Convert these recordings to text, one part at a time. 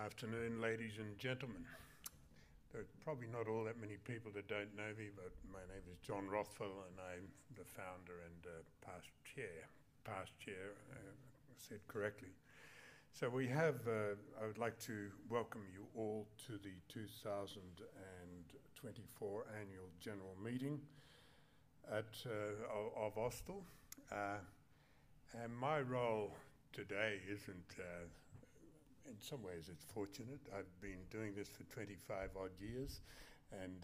Good afternoon, ladies and gentlemen. There are probably not all that many people that don't know me, but my name is John Rothwell, and I'm the founder and past chair, past chair said correctly, so we have, I would like to welcome you all to the 2024 Annual General Meeting of Austal, and my role today isn't, in some ways it's fortunate. I've been doing this for 25-odd years and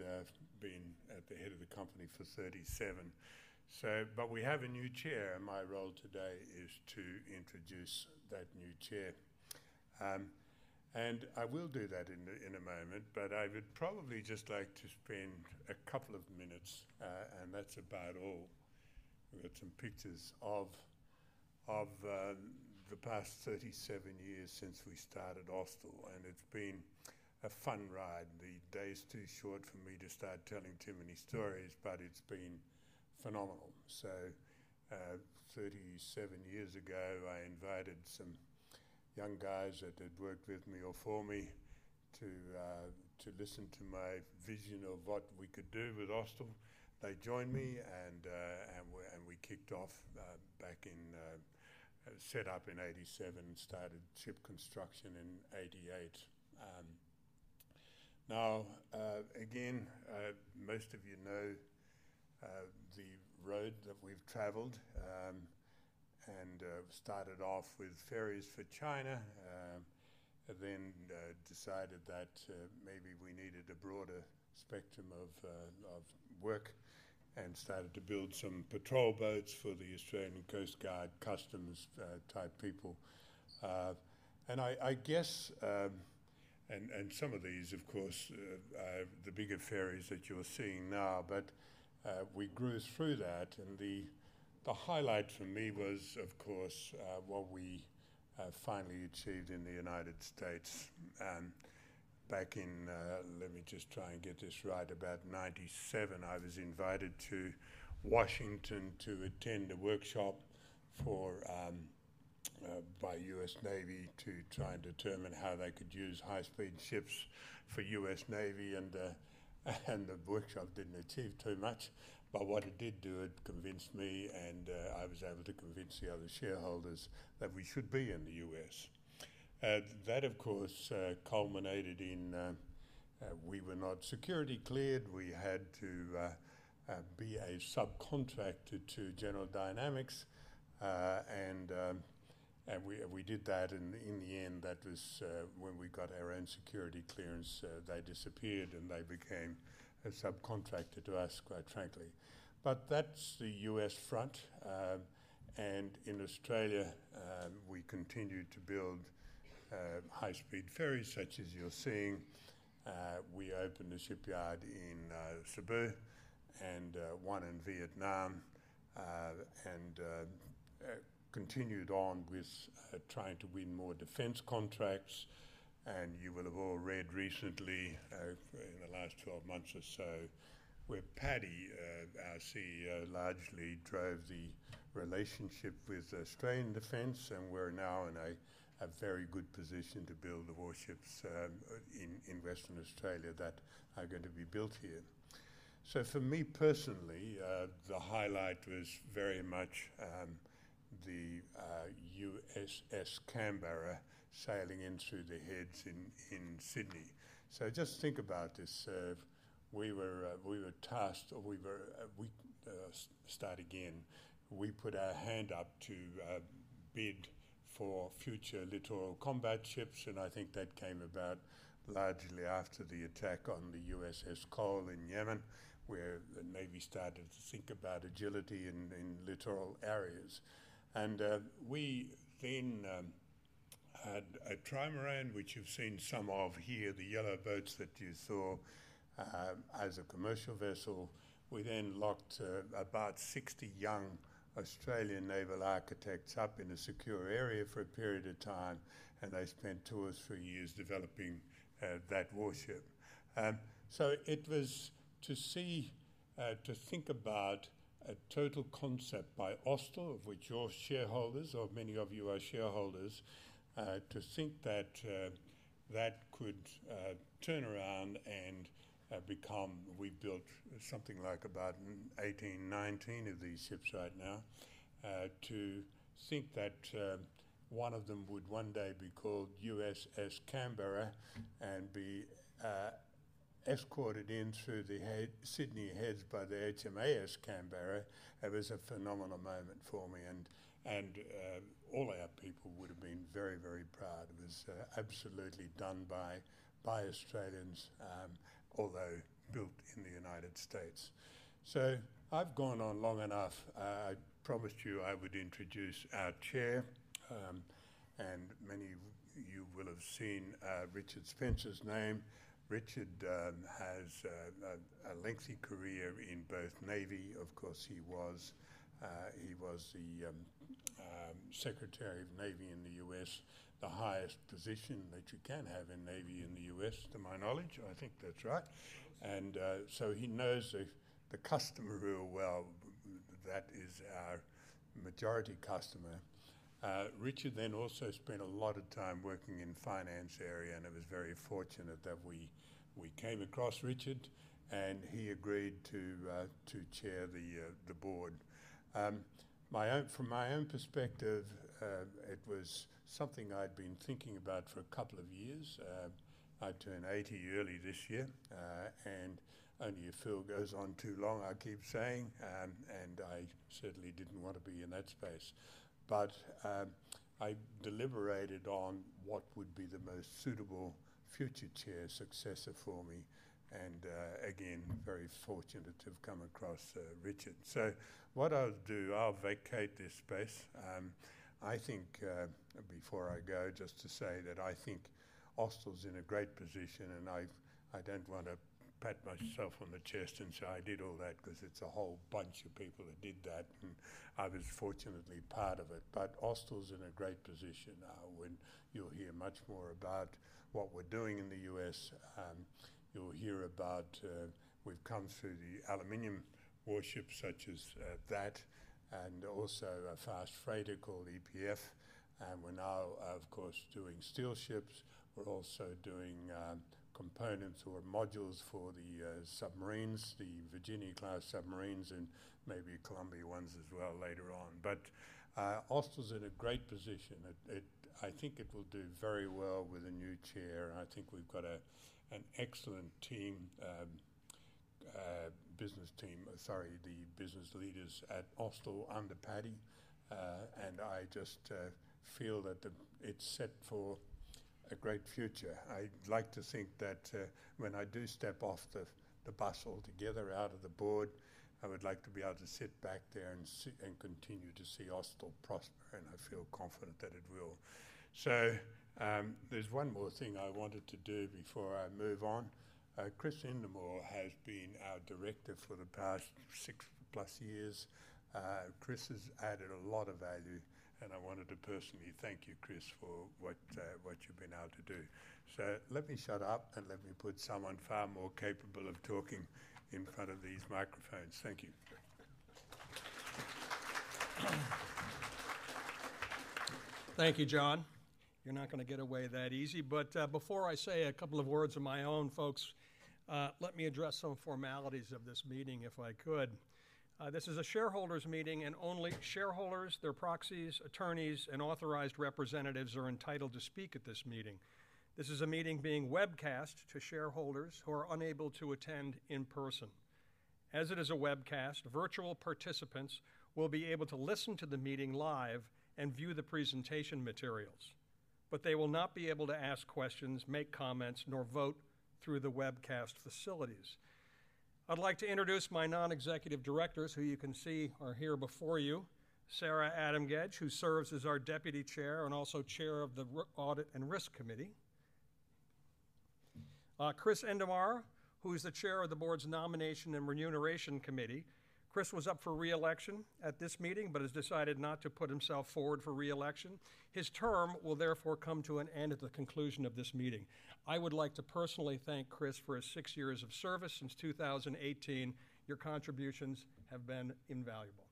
been at the head of the company for 37 years. But we have a new chair, and my role today is to introduce that new chair, and I will do that in a moment, but I would probably just like to spend a couple of minutes, and that's about all. We've got some pictures of the past 37 years since we started Austal, and it's been a fun ride. The day's too short for me to start telling too many stories, but it's been phenomenal, so 37 years ago, I invited some young guys that had worked with me or for me to listen to my vision of what we could do with Austal. They joined me, and we kicked off back in, set up in 1987 and started ship construction in 1988. Now, again, most of you know the road that we've traveled and started off with ferries for China, then decided that maybe we needed a broader spectrum of work and started to build some patrol boats for the Australian Coast Guard customs-type people, and I guess, and some of these, of course, the bigger ferries that you're seeing now, but we grew through that. The highlight for me was, of course, what we finally achieved in the United States back in, let me just try and get this right, about 1997. I was invited to Washington to attend a workshop by U.S. Navy to try and determine how they could use high-speed ships for U.S. Navy, and the workshop didn't achieve too much. But what it did do, it convinced me, and I was able to convince the other shareholders that we should be in the U.S. That, of course, culminated in we were not security cleared. We had to be a subcontractor to General Dynamics, and we did that, and in the end, that was when we got our own security clearance. They disappeared, and they became a subcontractor to us, quite frankly. But that's the U.S. front. And in Australia, we continued to build high-speed ferries, such as you're seeing. We opened a shipyard in Cebu and one in Vietnam and continued on with trying to win more defense contracts. You will have all read recently, in the last 12 months or so, where Paddy, our CEO, largely drove the relationship with Australian Defence, and we're now in a very good position to build the warships in Western Australia that are going to be built here. For me personally, the highlight was very much the USS Canberra sailing in through the Heads in Sydney. Just think about this. We put our hand up to bid for future littoral combat ships, and I think that came about largely after the attack on the USS Cole in Yemen, where the Navy started to think about agility in littoral areas. And we then had a trimaran, which you've seen some of here, the yellow boats that you saw as a commercial vessel. We then locked about 60 young Australian naval architects up in a secure area for a period of time, and they spent two or three years developing that warship. So it was to see, to think about a total concept by Austal, of which you're shareholders, or many of you are shareholders, to think that that could turn around and become, we built something like about 18, 19 of these ships right now, to think that one of them would one day be called USS Canberra and be escorted in through the Sydney Heads by the HMAS Canberra. It was a phenomenal moment for me, and all our people would have been very, very proud. It was absolutely done by Australians, although built in the United States. So I've gone on long enough. I promised you I would introduce our chair, and many of you will have seen Richard Spencer's name. Richard has a lengthy career in the Navy. Of course, he was the Secretary of the Navy in the US, the highest position that you can have in the Navy in the U.S., to my knowledge. I think that's right. And so he knows the customer real well. That is our majority customer. Richard then also spent a lot of time working in the finance area, and it was very fortunate that we came across Richard, and he agreed to chair the board. From my own perspective, it was something I'd been thinking about for a couple of years. I turned 80 early this year, and only a few goes on too long, I keep saying, and I certainly didn't want to be in that space. But I deliberated on what would be the most suitable future chair successor for me, and again, very fortunate to have come across Richard. So what I'll do, I'll vacate this space. I think, before I go, just to say that I think Austal's in a great position, and I don't want to pat myself on the chest and say I did all that because it's a whole bunch of people that did that, and I was fortunately part of it. But Austal's in a great position now, and you'll hear much more about what we're doing in the U.S. You'll hear about we've come through the aluminum warship, such as that, and also a fast freighter called EPF. And we're now, of course, doing steel ships. We're also doing components or modules for the submarines, the Virginia-class submarines, and maybe Columbia ones as well later on. But Austal's in a great position. I think it will do very well with a new chair, and I think we've got an excellent business team, sorry, the business leaders at Austal under Paddy, and I just feel that it's set for a great future. I'd like to think that when I do step off the bus altogether out of the board, I would like to be able to sit back there and continue to see Austal prosper, and I feel confident that it will. So there's one more thing I wanted to do before I move on. Chris Indermaur has been our director for the past 6+ years. Chris has added a lot of value, and I wanted to personally thank you, Chris, for what you've been able to do. So let me shut up, and let me put someone far more capable of talking in front of these microphones. Thank you. Thank you, John. You're not going to get away that easy. But before I say a couple of words of my own, folks, let me address some formalities of this meeting, if I could. This is a shareholders' meeting, and only shareholders, their proxies, attorneys, and authorized representatives are entitled to speak at this meeting. This is a meeting being webcast to shareholders who are unable to attend in person. As it is a webcast, virtual participants will be able to listen to the meeting live and view the presentation materials, but they will not be able to ask questions, make comments, nor vote through the webcast facilities. I'd like to introduce my non-executive directors, who you can see are here before you: Sarah Adam-Gedge, who serves as our Deputy Chair and also Chair of the Audit and Risk Committee; Chris Indermaur, who is the Chair of the board's Nomination and Remuneration Committee. Chris was up for reelection at this meeting but has decided not to put himself forward for reelection. His term will therefore come to an end at the conclusion of this meeting. I would like to personally thank Chris for his six years of service since 2018. Your contributions have been invaluable.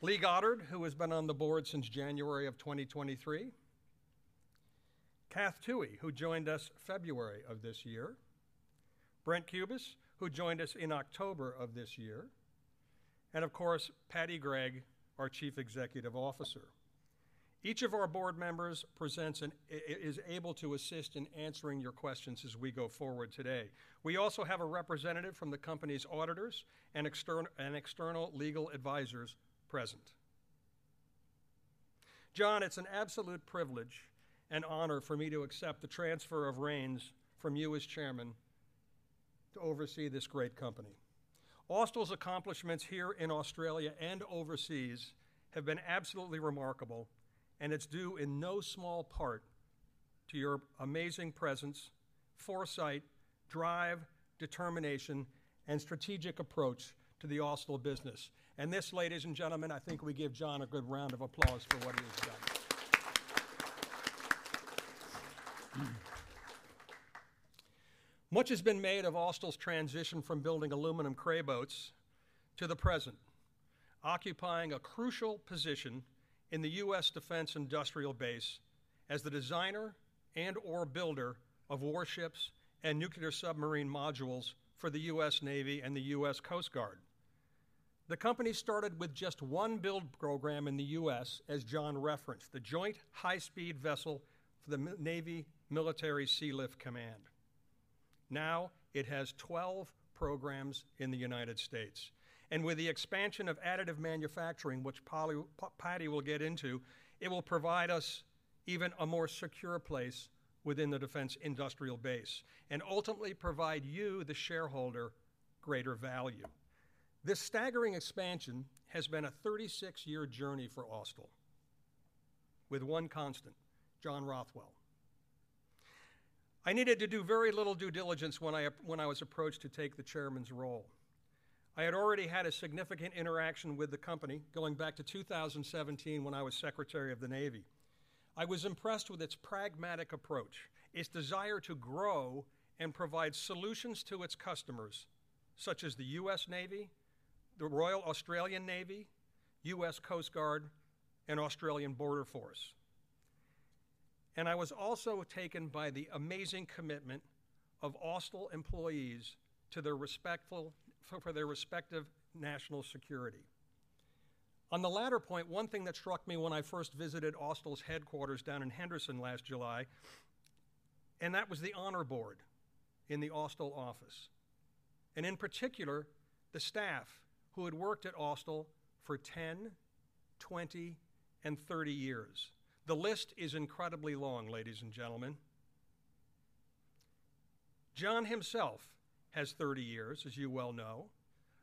Lee Goddard, who has been on the board since January of 2023; Kath Toohey, who joined us February of this year; Brent Cubis, who joined us in October of this year; and, of course, Paddy Gregg, our Chief Executive Officer. Each of our board members is able to assist in answering your questions as we go forward today. We also have a representative from the company's auditors and external legal advisors present. John, it's an absolute privilege and honor for me to accept the transfer of reins from you as chairman to oversee this great company. Austal's accomplishments here in Australia and overseas have been absolutely remarkable, and it's due in no small part to your amazing presence, foresight, drive, determination, and strategic approach to the Austal business, and this, ladies and gentlemen, I think we give John a good round of applause for what he has done. Much has been made of Austal's transition from building aluminum cray boats to the present, occupying a crucial position in the U.S. defense-industrial base as the designer and/or builder of warships and nuclear submarine modules for the U.S. Navy and the U.S. Coast Guard. The company started with just one build program in the U.S., as John referenced, the Joint High Speed Vessel for the Navy Military Sealift Command. Now it has 12 programs in the United States, and with the expansion of additive manufacturing, which Paddy will get into, it will provide us even a more secure place within the defense-industrial base and ultimately provide you, the shareholder, greater value. This staggering expansion has been a 36-year journey for Austal, with one constant: John Rothwell. I needed to do very little due diligence when I was approached to take the chairman's role. I had already had a significant interaction with the company going back to 2017 when I was Secretary of the Navy. I was impressed with its pragmatic approach, its desire to grow and provide solutions to its customers, such as the U.S. Navy, the Royal Australian Navy, U.S. Coast Guard, and Australian Border Force, and I was also taken by the amazing commitment of Austal employees for their respective national security. On the latter point, one thing that struck me when I first visited Austal's headquarters down in Henderson last July, and that was the honor board in the Austal office, and in particular, the staff who had worked at Austal for 10, 20, and 30 years. The list is incredibly long, ladies and gentlemen. John himself has 30 years, as you well know.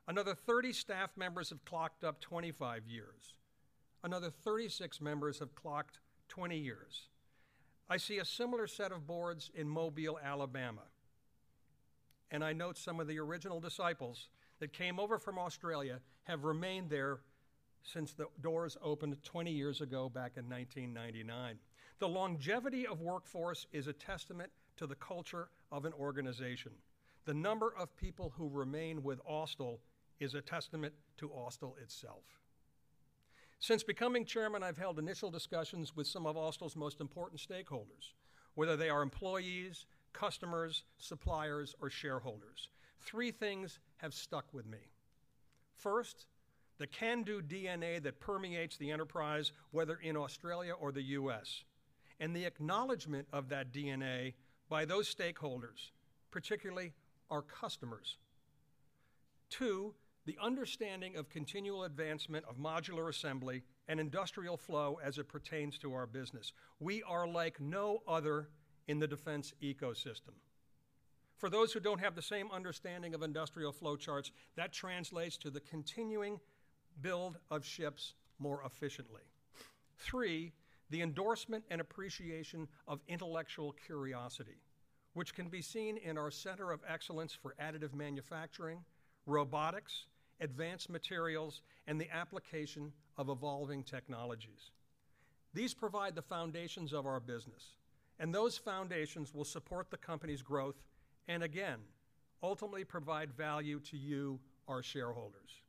Another 30 staff members have clocked up 25 years. Another 36 members have clocked 20 years. I see a similar set of boards in Mobile, Alabama, and I note some of the original disciples that came over from Australia have remained there since the doors opened 20 years ago, back in 1999. The longevity of workforce is a testament to the culture of an organization. The number of people who remain with Austal is a testament to Austal itself. Since becoming chairman, I've held initial discussions with some of Austal's most important stakeholders, whether they are employees, customers, suppliers, or shareholders. Three things have stuck with me. First, the can-do DNA that permeates the enterprise, whether in Australia or the U.S., and the acknowledgment of that DNA by those stakeholders, particularly our customers. Two, the understanding of continual advancement of modular assembly and industrial flow as it pertains to our business. We are like no other in the defense ecosystem. For those who don't have the same understanding of industrial flow charts, that translates to the continuing build of ships more efficiently. Three, the endorsement and appreciation of intellectual curiosity, which can be seen in our Center of Excellence for Additive Manufacturing, Robotics, Advanced Materials, and the application of evolving technologies. These provide the foundations of our business, and those foundations will support the company's growth and, again, ultimately provide value to you, our shareholders.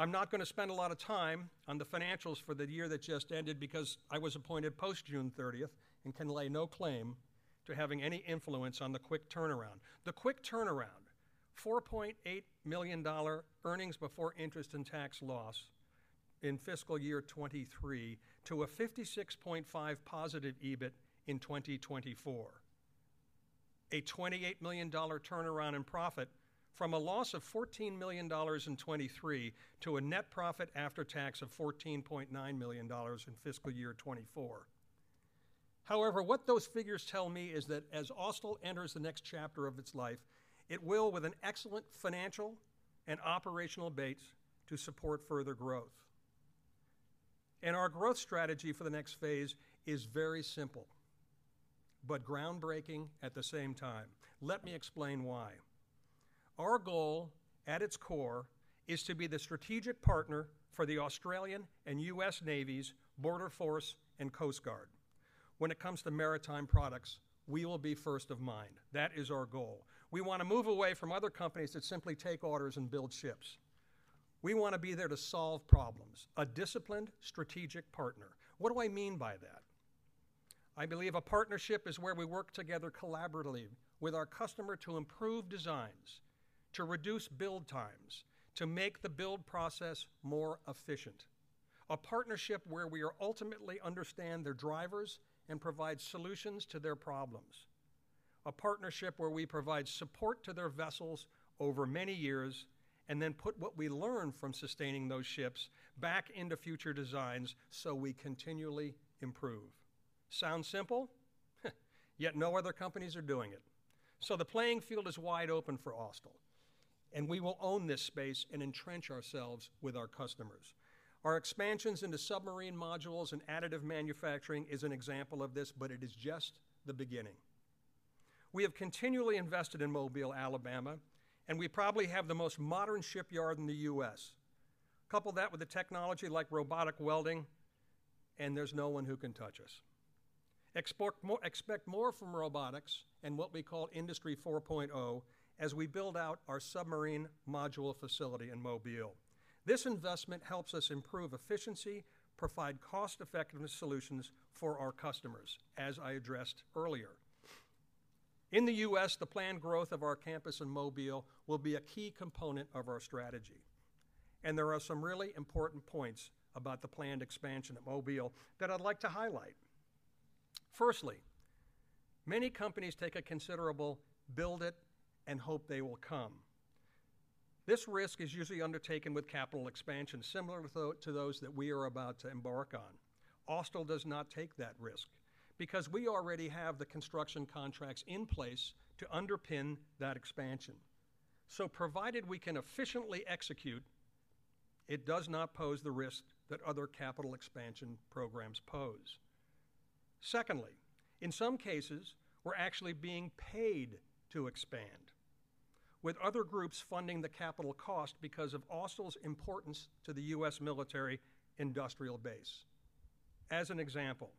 I'm not going to spend a lot of time on the financials for the year that just ended because I was appointed post-June 30th and can lay no claim to having any influence on the quick turnaround. The quick turnaround: 4.8 million dollar earnings before interest and tax loss in fiscal year 2023 to a 56.5 million positive EBIT in 2024. A 28 million dollar turnaround in profit from a loss of 14 million dollars in 2023 to a net profit after tax of 14.9 million dollars in fiscal year 2024. However, what those figures tell me is that as Austal enters the next chapter of its life, it will, with an excellent financial and operational base, support further growth. And our growth strategy for the next phase is very simple but groundbreaking at the same time. Let me explain why. Our goal, at its core, is to be the strategic partner for the Australian and U.S. Navies Border Force and Coast Guard. When it comes to maritime products, we will be first of mind. That is our goal. We want to move away from other companies that simply take orders and build ships. We want to be there to solve problems. A disciplined, strategic partner. What do I mean by that? I believe a partnership is where we work together collaboratively with our customer to improve designs, to reduce build times, to make the build process more efficient. A partnership where we ultimately understand their drivers and provide solutions to their problems. A partnership where we provide support to their vessels over many years and then put what we learn from sustaining those ships back into future designs so we continually improve. Sound simple? Yet no other companies are doing it. So the playing field is wide open for Austal, and we will own this space and entrench ourselves with our customers. Our expansions into submarine modules and additive manufacturing is an example of this, but it is just the beginning. We have continually invested in Mobile, Alabama, and we probably have the most modern shipyard in the U.S. Couple that with the technology like robotic welding, and there's no one who can touch us. Expect more from robotics and what we call Industry 4.0 as we build out our submarine module facility in Mobile. This investment helps us improve efficiency, provide cost-effective solutions for our customers, as I addressed earlier. In the U.S., the planned growth of our campus in Mobile will be a key component of our strategy. And there are some really important points about the planned expansion at Mobile that I'd like to highlight. Firstly, many companies take a considerable build-it-and-hope-they-will-come. This risk is usually undertaken with capital expansion similar to those that we are about to embark on. Austal does not take that risk because we already have the construction contracts in place to underpin that expansion. So provided we can efficiently execute, it does not pose the risk that other capital expansion programs pose. Secondly, in some cases, we're actually being paid to expand, with other groups funding the capital cost because of Austal's importance to the U.S. military-industrial base. As an example,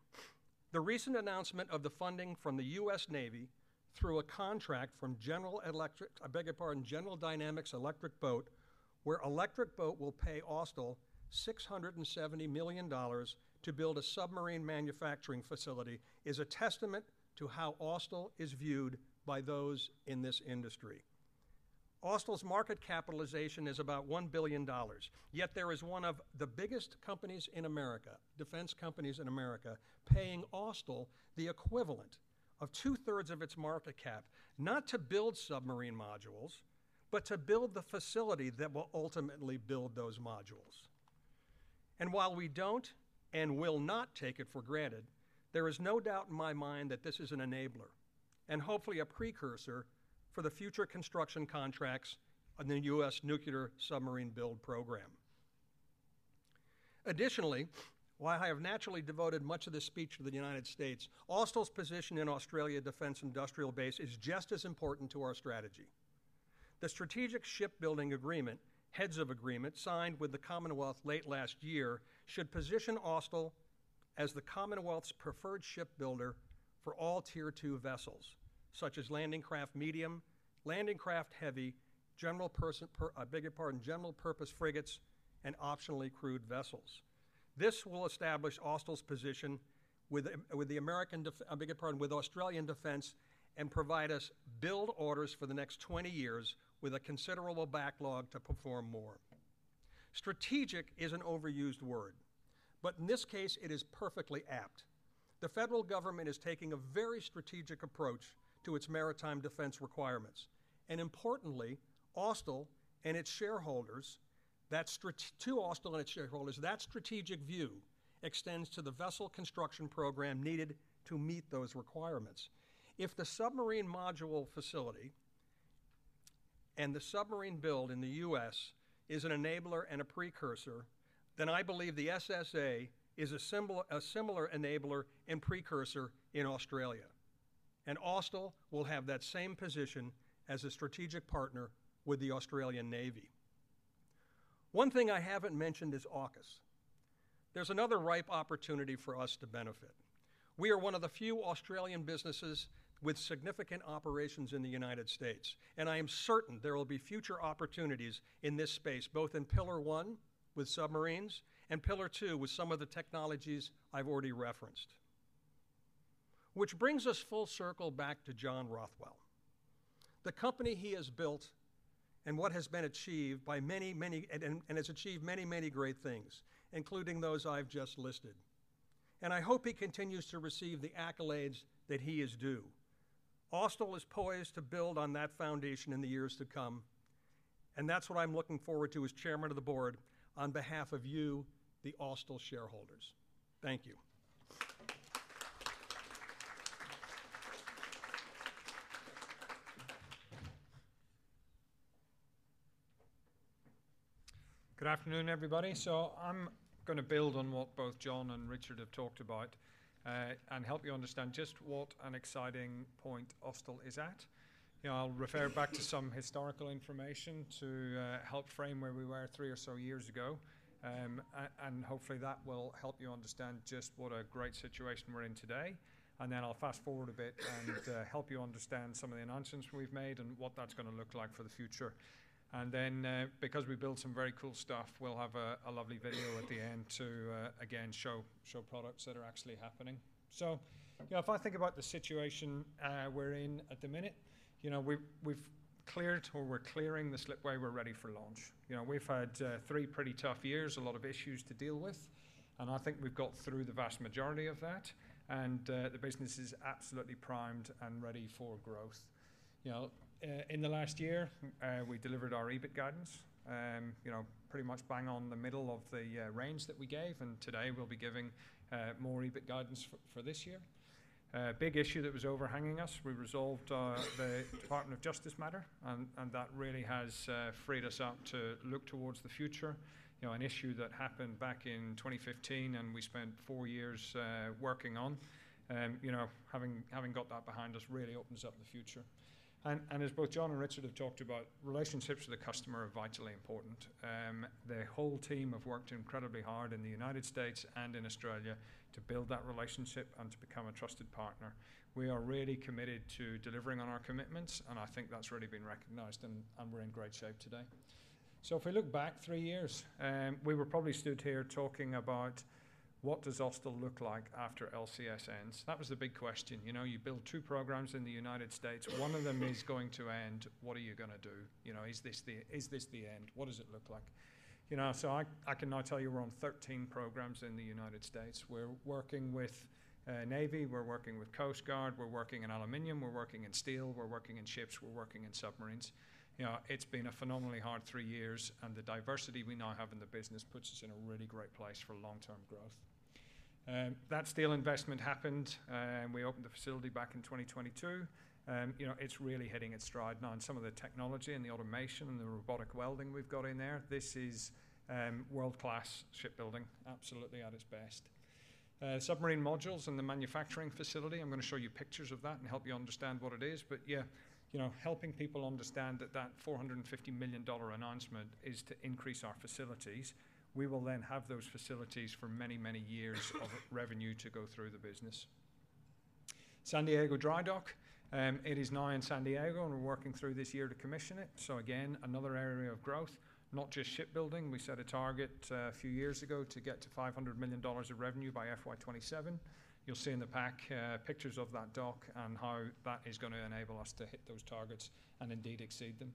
the recent announcement of the funding from the U.S. Navy through a contract from General Dynamics Electric Boat, where Electric Boat will pay Austal 670 million dollars to build a submarine manufacturing facility, is a testament to how Austal is viewed by those in this industry. Austal's market capitalization is about 1 billion dollars. Yet there is one of the biggest companies in America, defense companies in America, paying Austal the equivalent of two-thirds of its market cap, not to build submarine modules, but to build the facility that will ultimately build those modules. And while we don't and will not take it for granted, there is no doubt in my mind that this is an enabler and hopefully a precursor for the future construction contracts in the U.S. nuclear submarine build program. Additionally, while I have naturally devoted much of this speech to the United States, Austal's position in Australia's defense-industrial base is just as important to our strategy. The Strategic Shipbuilding Agreement, Heads of Agreement, signed with the Commonwealth late last year should position Austal as the Commonwealth's preferred shipbuilder for all Tier 2 vessels, such as Landing Craft Medium, Landing Craft Heavy, General Purpose Frigates, and optionally crewed vessels. This will establish Austal's position with Australian Defence and provide us build orders for the next 20 years with a considerable backlog to perform more. Strategic is an overused word, but in this case, it is perfectly apt. The federal government is taking a very strategic approach to its maritime defense requirements, and importantly, Austal and its shareholders, that strategic view extends to the vessel construction program needed to meet those requirements. If the submarine module facility and the submarine build in the U.S. is an enabler and a precursor, then I believe the SSA is a similar enabler and precursor in Australia, and Austal will have that same position as a strategic partner with the Australian Navy. One thing I haven't mentioned is AUKUS. There's another ripe opportunity for us to benefit. We are one of the few Australian businesses with significant operations in the United States, and I am certain there will be future opportunities in this space, both in Pillar One with submarines and Pillar Two with some of the technologies I've already referenced. Which brings us full circle back to John Rothwell. The company he has built and what has been achieved by many, and has achieved many great things, including those I've just listed. I hope he continues to receive the accolades that he is due. Austal is poised to build on that foundation in the years to come, and that's what I'm looking forward to as Chairman of the Board on behalf of you, the Austal shareholders. Thank you. Good afternoon, everybody. I'm going to build on what both John and Richard have talked about and help you understand just what an exciting point Austal is at. I'll refer back to some historical information to help frame where we were three or so years ago, and hopefully that will help you understand just what a great situation we're in today. And then I'll fast forward a bit and help you understand some of the announcements we've made and what that's going to look like for the future. And then because we built some very cool stuff, we'll have a lovely video at the end to, again, show products that are actually happening. So if I think about the situation we're in at the minute, we've cleared or we're clearing the slipway. We're ready for launch. We've had three pretty tough years, a lot of issues to deal with, and I think we've got through the vast majority of that, and the business is absolutely primed and ready for growth. In the last year, we delivered our EBIT guidance, pretty much bang on the middle of the range that we gave, and today we'll be giving more EBIT guidance for this year. Big issue that was overhanging us, we resolved the Department of Justice matter, and that really has freed us up to look towards the future. An issue that happened back in 2015 and we spent four years working on, having got that behind us really opens up the future. And as both John and Richard have talked about, relationships with the customer are vitally important. The whole team have worked incredibly hard in the United States and in Australia to build that relationship and to become a trusted partner. We are really committed to delivering on our commitments, and I think that's really been recognized, and we're in great shape today. So if we look back three years, we were probably stood here talking about what does Austal look like after LCS ends. That was the big question. You build two programs in the United States. One of them is going to end. What are you going to do? Is this the end? What does it look like? So I can now tell you we're on 13 programs in the United States. We're working with Navy, we're working with Coast Guard, we're working in aluminum, we're working in steel, we're working in ships, we're working in submarines. It's been a phenomenally hard three years, and the diversity we now have in the business puts us in a really great place for long-term growth. That steel investment happened. We opened the facility back in 2022. It's really hitting its stride now. And some of the technology and the automation and the robotic welding we've got in there, this is world-class shipbuilding, absolutely at its best. Submarine modules and the manufacturing facility, I'm going to show you pictures of that and help you understand what it is. But yeah, helping people understand that that $450 million announcement is to increase our facilities. We will then have those facilities for many, many years of revenue to go through the business. San Diego dry dock, it is now in San Diego, and we're working through this year to commission it. So again, another area of growth, not just shipbuilding. We set a target a few years ago to get to 500 million dollars of revenue by FY 2027. You'll see in the pack pictures of that dock and how that is going to enable us to hit those targets and indeed exceed them.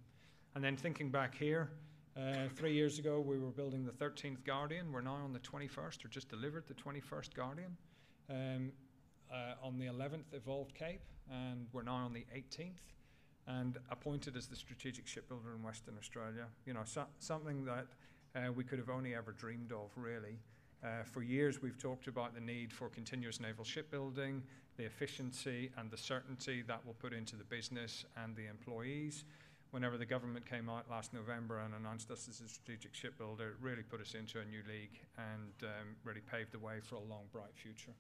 And then thinking back here, three years ago, we were building the 13th Guardian. We're now on the 21st. We just delivered the 21st Guardian. On the 11th Evolved Cape, and we're now on the 18th and appointed as the strategic shipbuilder in Western Australia. Something that we could have only ever dreamed of, really. For years, we've talked about the need for continuous naval shipbuilding, the efficiency and the certainty that we'll put into the business and the employees. Whenever the government came out last November and announced us as a strategic shipbuilder, it really put us into a new league and really paved the way for a long, bright future.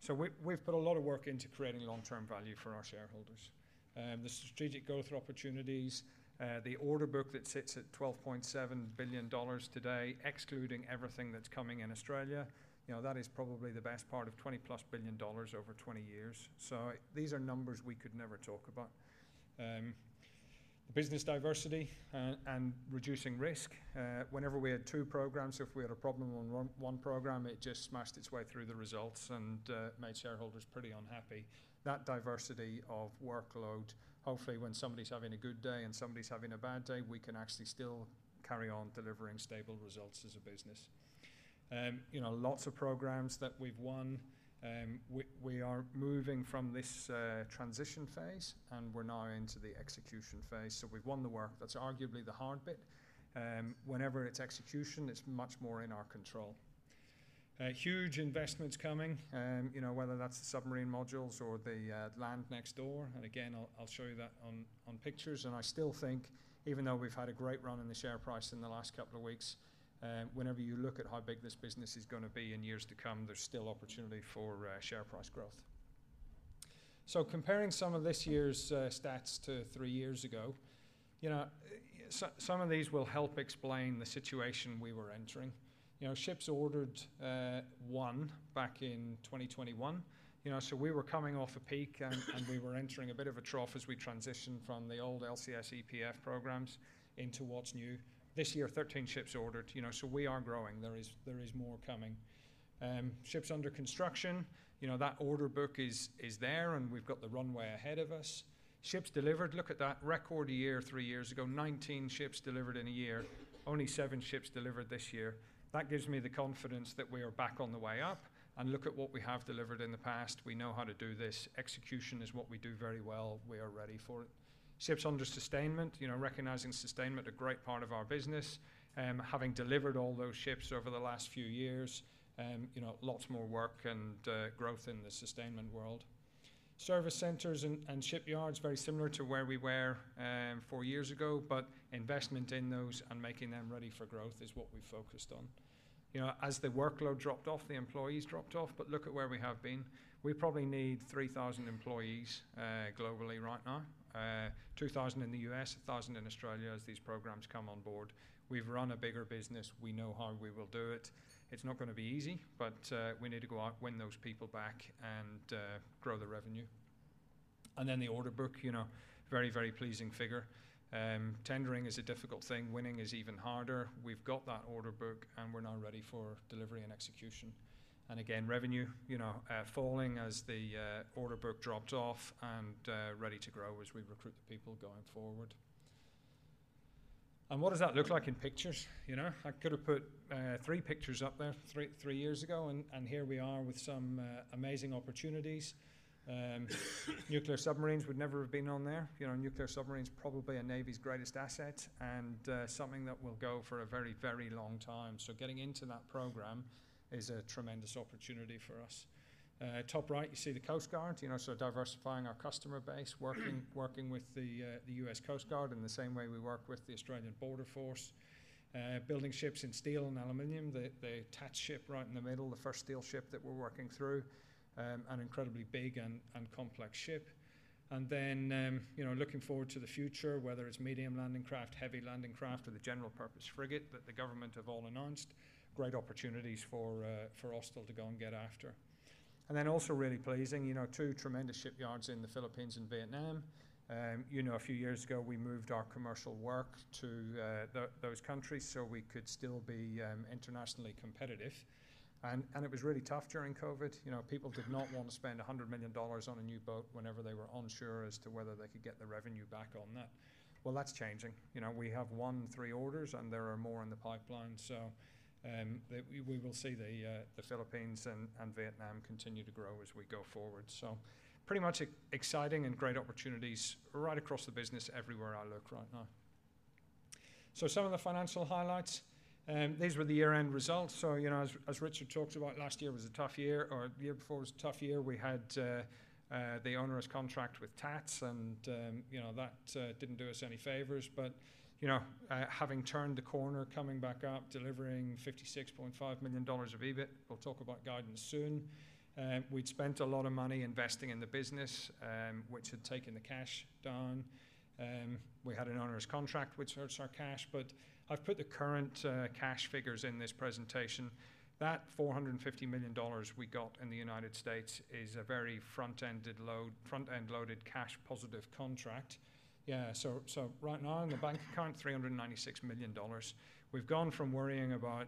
So we've put a lot of work into creating long-term value for our shareholders. The strategic growth opportunities, the order book that sits at 12.7 billion dollars today, excluding everything that's coming in Australia, that is probably the best part of 20 billion dollars+ over 20 years. So these are numbers we could never talk about. The business diversity and reducing risk. Whenever we had two programs, if we had a problem on one program, it just smashed its way through the results and made shareholders pretty unhappy. That diversity of workload, hopefully when somebody's having a good day and somebody's having a bad day, we can actually still carry on delivering stable results as a business. Lots of programs that we've won. We are moving from this transition phase, and we're now into the execution phase. So we've won the work. That's arguably the hard bit. Whenever it's execution, it's much more in our control. Huge investments coming, whether that's the submarine modules or the land next door. And again, I'll show you that on pictures. And I still think, even though we've had a great run in the share price in the last couple of weeks, whenever you look at how big this business is going to be in years to come, there's still opportunity for share price growth. So comparing some of this year's stats to three years ago, some of these will help explain the situation we were entering. Ships ordered one back in 2021. So we were coming off a peak, and we were entering a bit of a trough as we transitioned from the old LCS EPF programs into what's new. This year, 13 ships ordered. So we are growing. There is more coming. Ships under construction, that order book is there, and we've got the runway ahead of us. Ships delivered. Look at that record a year three years ago: 19 ships delivered in a year. Only seven ships delivered this year. That gives me the confidence that we are back on the way up. And look at what we have delivered in the past. We know how to do this. Execution is what we do very well. We are ready for it. Ships under sustainment. Recognizing sustainment, a great part of our business. Having delivered all those ships over the last few years, lots more work and growth in the sustainment world. Service centers and shipyards, very similar to where we were four years ago, but investment in those and making them ready for growth is what we focused on. As the workload dropped off, the employees dropped off, but look at where we have been. We probably need 3,000 employees globally right now, 2,000 in the U.S., 1,000 in Australia as these programs come on board. We've run a bigger business. We know how we will do it. It's not going to be easy, but we need to go out, win those people back, and grow the revenue. And then the order book, very, very pleasing figure. Tendering is a difficult thing. Winning is even harder. We've got that order book, and we're now ready for delivery and execution. And again, revenue falling as the order book drops off and ready to grow as we recruit the people going forward. And what does that look like in pictures? I could have put three pictures up there three years ago, and here we are with some amazing opportunities. Nuclear submarines would never have been on there. Nuclear submarine is probably a Navy's greatest asset and something that will go for a very, very long time, so getting into that program is a tremendous opportunity for us. Top right, you see the Coast Guard, so diversifying our customer base, working with the U.S. Coast Guard in the same way we work with the Australian Border Force. Building ships in steel and aluminum, the T-ATS ship right in the middle, the first steel ship that we're working through, an incredibly big and complex ship. And then looking forward to the future, whether it's Landing Craft Medium, Landing Craft Heavy, or the General Purpose Frigate that the government have all announced, great opportunities for Austal to go and get after. And then also really pleasing, two tremendous shipyards in the Philippines and Vietnam. A few years ago, we moved our commercial work to those countries so we could still be internationally competitive. It was really tough during COVID. People did not want to spend 100 million dollars on a new boat whenever they were unsure as to whether they could get the revenue back on that. That's changing. We have won three orders, and there are more in the pipeline. We will see the Philippines and Vietnam continue to grow as we go forward. Pretty much exciting and great opportunities right across the business everywhere I look right now. Some of the financial highlights, these were the year-end results. As Richard talked about, last year was a tough year, or the year before was a tough year. We had the onerous contract with T-ATS, and that didn't do us any favors. Having turned the corner, coming back up, delivering 56.5 million dollars of EBIT, we'll talk about guidance soon. We'd spent a lot of money investing in the business, which had taken the cash down. We had an onerous contract, which hurts our cash, but I've put the current cash figures in this presentation. That $450 million we got in the United States is a very front-end loaded cash-positive contract. Yeah, so right now in the bank account, 396 million dollars. We've gone from worrying about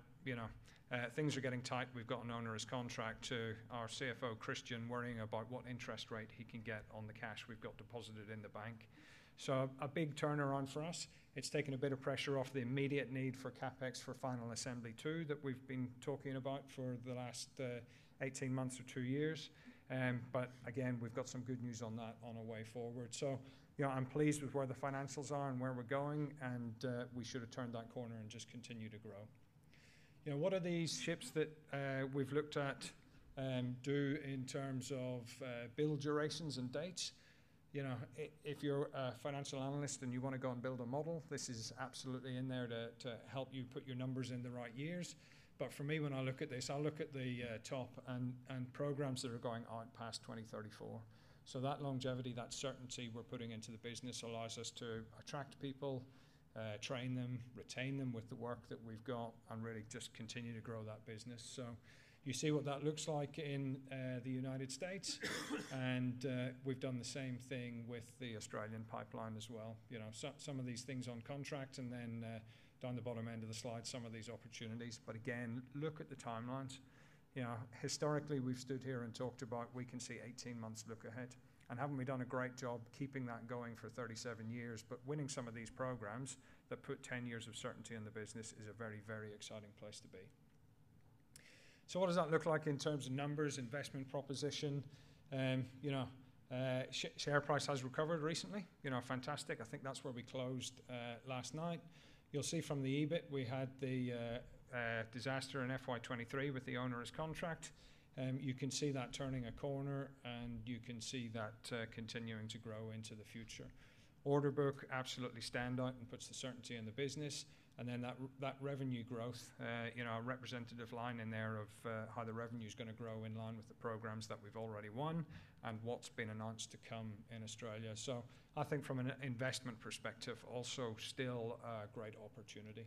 things are getting tight, we've got an onerous contract, to our CFO, Christian, worrying about what interest rate he can get on the cash we've got deposited in the bank. So a big turnaround for us. It's taken a bit of pressure off the immediate need for CapEx for Final Assembly 2 that we've been talking about for the last 18 months or two years. But again, we've got some good news on that on our way forward. So I'm pleased with where the financials are and where we're going, and we should have turned that corner and just continued to grow. What are these ships that we've looked at do in terms of build durations and dates? If you're a financial analyst and you want to go and build a model, this is absolutely in there to help you put your numbers in the right years. But for me, when I look at this, I look at the top and programs that are going out past 2034. So that longevity, that certainty we're putting into the business allows us to attract people, train them, retain them with the work that we've got, and really just continue to grow that business. So you see what that looks like in the United States. And we've done the same thing with the Australian pipeline as well. Some of these things on contract, and then down the bottom end of the slide, some of these opportunities. But again, look at the timelines. Historically, we've stood here and talked about we can see 18 months look ahead. And haven't we done a great job keeping that going for 37 years, but winning some of these programs that put 10 years of certainty in the business is a very, very exciting place to be. So what does that look like in terms of numbers, investment proposition? Share price has recovered recently. Fantastic. I think that's where we closed last night. You'll see from the EBIT, we had the disaster in FY 2023 with the onerous contract. You can see that turning a corner, and you can see that continuing to grow into the future. Order book, absolutely standout and puts the certainty in the business, and then that revenue growth, a representative line in there of how the revenue is going to grow in line with the programs that we've already won and what's been announced to come in Australia, so I think from an investment perspective, also still a great opportunity,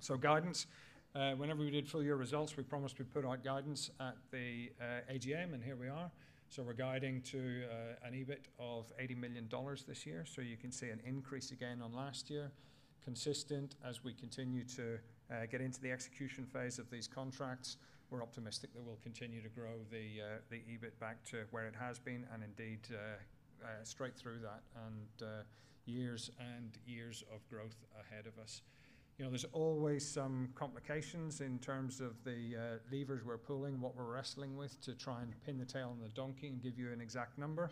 so guidance, whenever we did full year results, we promised we'd put out guidance at the AGM, and here we are, so we're guiding to an EBIT of 80 million dollars this year, so you can see an increase again on last year, consistent as we continue to get into the execution phase of these contracts. We're optimistic that we'll continue to grow the EBIT back to where it has been and indeed straight through that and years and years of growth ahead of us. There's always some complications in terms of the levers we're pulling, what we're wrestling with to try and pin the tail on the donkey and give you an exact number,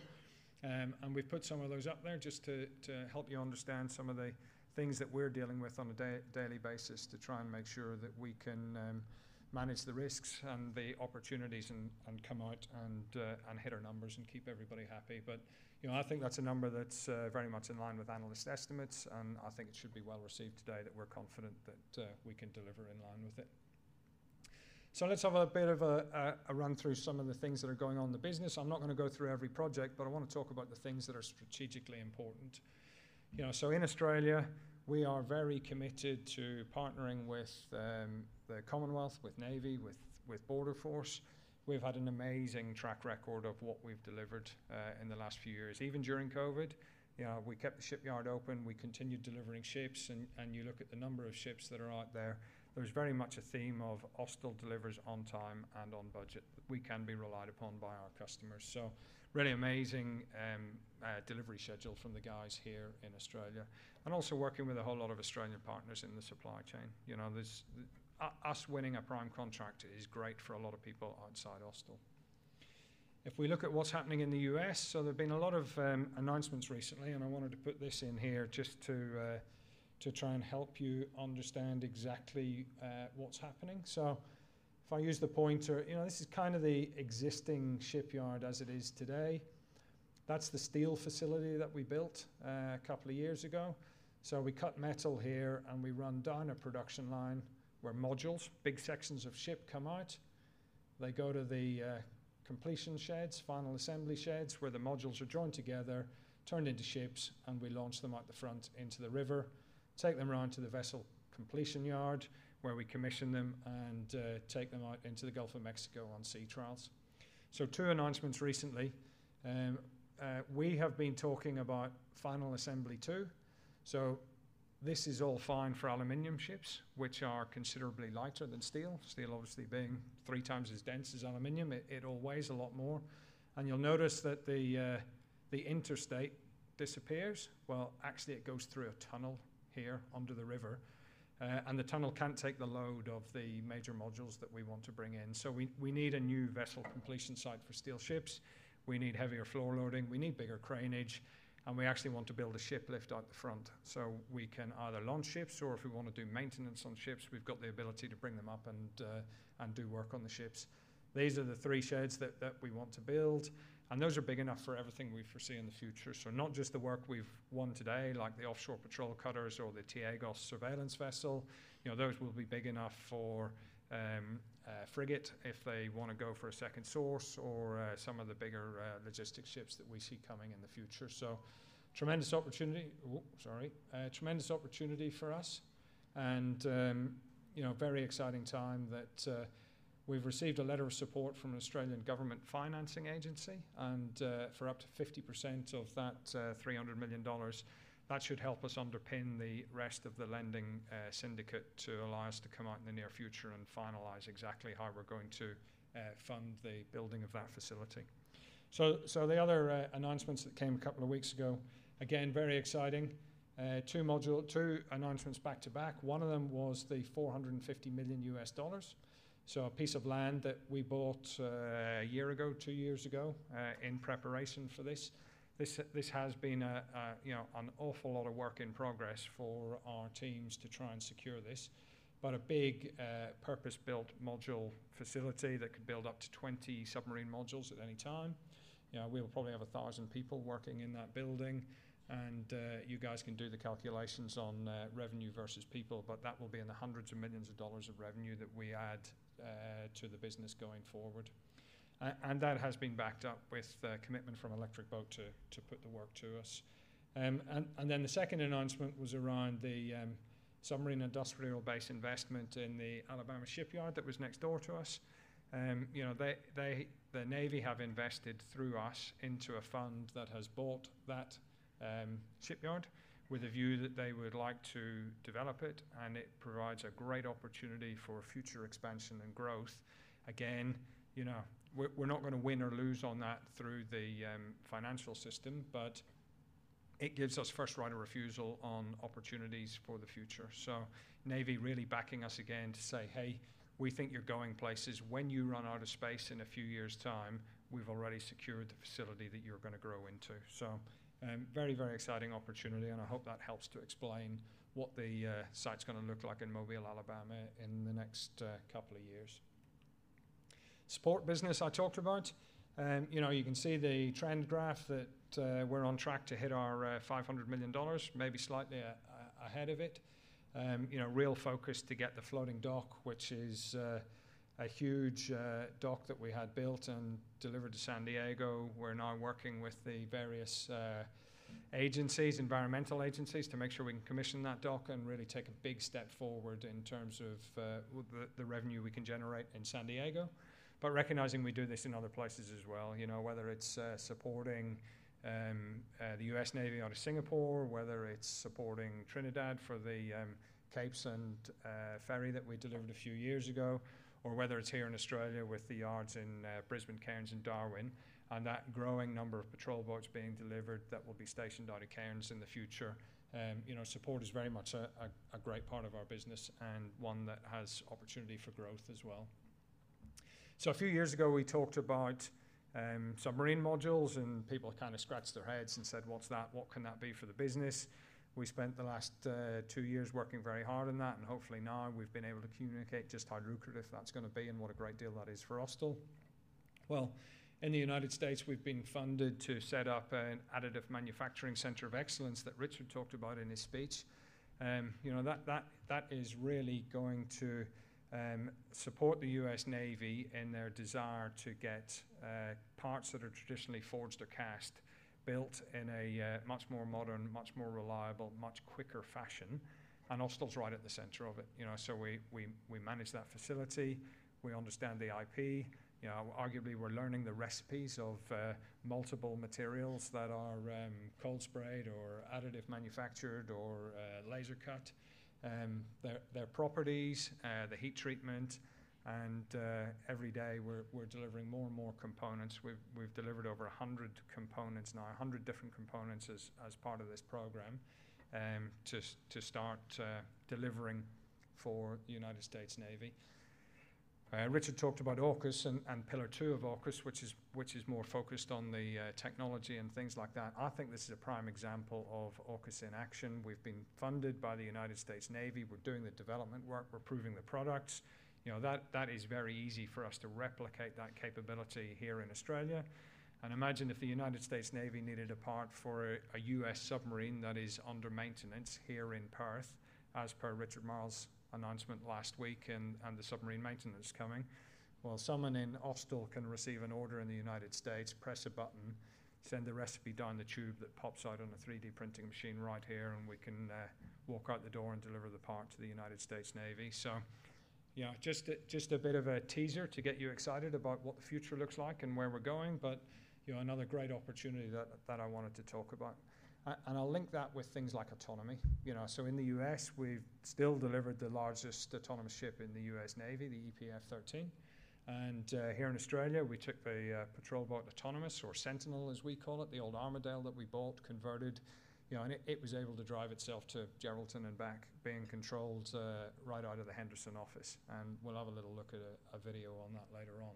and we've put some of those up there just to help you understand some of the things that we're dealing with on a daily basis to try and make sure that we can manage the risks and the opportunities and come out and hit our numbers and keep everybody happy, but I think that's a number that's very much in line with analyst estimates, and I think it should be well received today that we're confident that we can deliver in line with it, so let's have a bit of a run through some of the things that are going on in the business. I'm not going to go through every project, but I want to talk about the things that are strategically important, so in Australia, we are very committed to partnering with the Commonwealth, with Navy, with Border Force. We've had an amazing track record of what we've delivered in the last few years. Even during COVID, we kept the shipyard open. We continued delivering ships, and you look at the number of ships that are out there, there's very much a theme of Austal delivers on time and on budget that we can be relied upon by our customers, so really amazing delivery schedule from the guys here in Australia, and also working with a whole lot of Australian partners in the supply chain. Us winning a prime contract is great for a lot of people outside Austal. If we look at what's happening in the U.S., so there have been a lot of announcements recently, and I wanted to put this in here just to try and help you understand exactly what's happening. So if I use the pointer, this is kind of the existing shipyard as it is today. That's the steel facility that we built a couple of years ago. So we cut metal here, and we run down a production line where modules, big sections of ship come out. They go to the completion sheds, Final Assembly sheds where the modules are joined together, turned into ships, and we launch them out the front into the river, take them around to the vessel completion yard where we commission them and take them out into the Gulf of Mexico on sea trials. So two announcements recently. We have been talking about Final Assembly 2. This is all fine for aluminum ships, which are considerably lighter than steel. Steel, obviously, being three times as dense as aluminum, it all weighs a lot more. You'll notice that the interstate disappears. Actually, it goes through a tunnel here under the river, and the tunnel can't take the load of the major modules that we want to bring in. We need a new vessel completion site for steel ships. We need heavier floor loading. We need bigger craneage, and we actually want to build a ship lift out the front so we can either launch ships or, if we want to do maintenance on ships, we've got the ability to bring them up and do work on the ships. These are the three sheds that we want to build, and those are big enough for everything we foresee in the future. Not just the work we've won today, like the Offshore Patrol Cutters or the T-AGOS surveillance vessel. Those will be big enough for frigate if they want to go for a second source or some of the bigger logistics ships that we see coming in the future. Tremendous opportunity. Oh, sorry. Tremendous opportunity for us. And very exciting time that we've received a letter of support from an Australian government financing agency. And for up to 50% of that 300 million dollars, that should help us underpin the rest of the lending syndicate to allow us to come out in the near future and finalize exactly how we're going to fund the building of that facility. The other announcements that came a couple of weeks ago, again, very exciting. Two announcements back to back. One of them was the $450 million US dollars. A piece of land that we bought a year ago, two years ago in preparation for this. This has been an awful lot of work in progress for our teams to try and secure this, but a big purpose-built module facility that could build up to 20 submarine modules at any time. We will probably have 1,000 people working in that building, and you guys can do the calculations on revenue versus people, but that will be in the hundreds of millions of dollars of revenue that we add to the business going forward. That has been backed up with commitment from Electric Boat to put the work to us. Then the second announcement was around the submarine-industrial base investment in the Alabama shipyard that was next door to us. The Navy have invested through us into a fund that has bought that shipyard with a view that they would like to develop it, and it provides a great opportunity for future expansion and growth. Again, we're not going to win or lose on that through the financial system, but it gives us first right of refusal on opportunities for the future. So Navy really backing us again to say, "Hey, we think you're going places. When you run out of space in a few years' time, we've already secured the facility that you're going to grow into." So very, very exciting opportunity, and I hope that helps to explain what the site's going to look like in Mobile, Alabama in the next couple of years. Support business I talked about. You can see the trend graph that we're on track to hit our 500 million dollars, maybe slightly ahead of it. Real focus to get the floating dock, which is a huge dock that we had built and delivered to San Diego. We're now working with the various agencies, environmental agencies, to make sure we can commission that dock and really take a big step forward in terms of the revenue we can generate in San Diego. But recognizing we do this in other places as well, whether it's supporting the U.S. Navy out of Singapore, whether it's supporting Trinidad for the Cape San ferry that we delivered a few years ago, or whether it's here in Australia with the yards in Brisbane, Cairns, and Darwin, and that growing number of patrol boats being delivered that will be stationed out of Cairns in the future. Support is very much a great part of our business and one that has opportunity for growth as well, so a few years ago, we talked about submarine modules, and people kind of scratched their heads and said, "What's that? What can that be for the business?" We spent the last two years working very hard on that, and hopefully now we've been able to communicate just how lucrative that's going to be and what a great deal that is for Austal, well, in the United States, we've been funded to set up an additive manufacturing center of excellence that Richard talked about in his speech. That is really going to support the U.S. Navy in their desire to get parts that are traditionally forged or cast built in a much more modern, much more reliable, much quicker fashion, and Austal's right at the center of it. We manage that facility. We understand the IP. Arguably, we're learning the recipes of multiple materials that are cold sprayed or additively manufactured or laser cut, their properties, the heat treatment. Every day, we're delivering more and more components. We've delivered over 100 components now, 100 different components as part of this program to start delivering for the United States Navy. Richard talked about AUKUS and Pillar Two of AUKUS, which is more focused on the technology and things like that. I think this is a prime example of AUKUS in action. We've been funded by the United States Navy. We're doing the development work. We're proving the products. That is very easy for us to replicate that capability here in Australia. Imagine if the United States Navy needed a part for a U.S. submarine that is under maintenance here in Perth, as per Richard Marles' announcement last week and the submarine maintenance coming. Someone in Austal can receive an order in the United States, press a button, send the recipe down the tube that pops out on a 3D printing machine right here, and we can walk out the door and deliver the part to the United States Navy. Just a bit of a teaser to get you excited about what the future looks like and where we're going, but another great opportunity that I wanted to talk about. I'll link that with things like autonomy. In the U.S., we've still delivered the largest autonomous ship in the U.S. Navy, the EPF-13. Here in Australia, we took the Patrol Boat Autonomy Trial or Sentinel, as we call it, the old Armidale that we bought, converted, and it was able to drive itself to Geraldton and back, being controlled right out of the Henderson office. We'll have a little look at a video on that later on.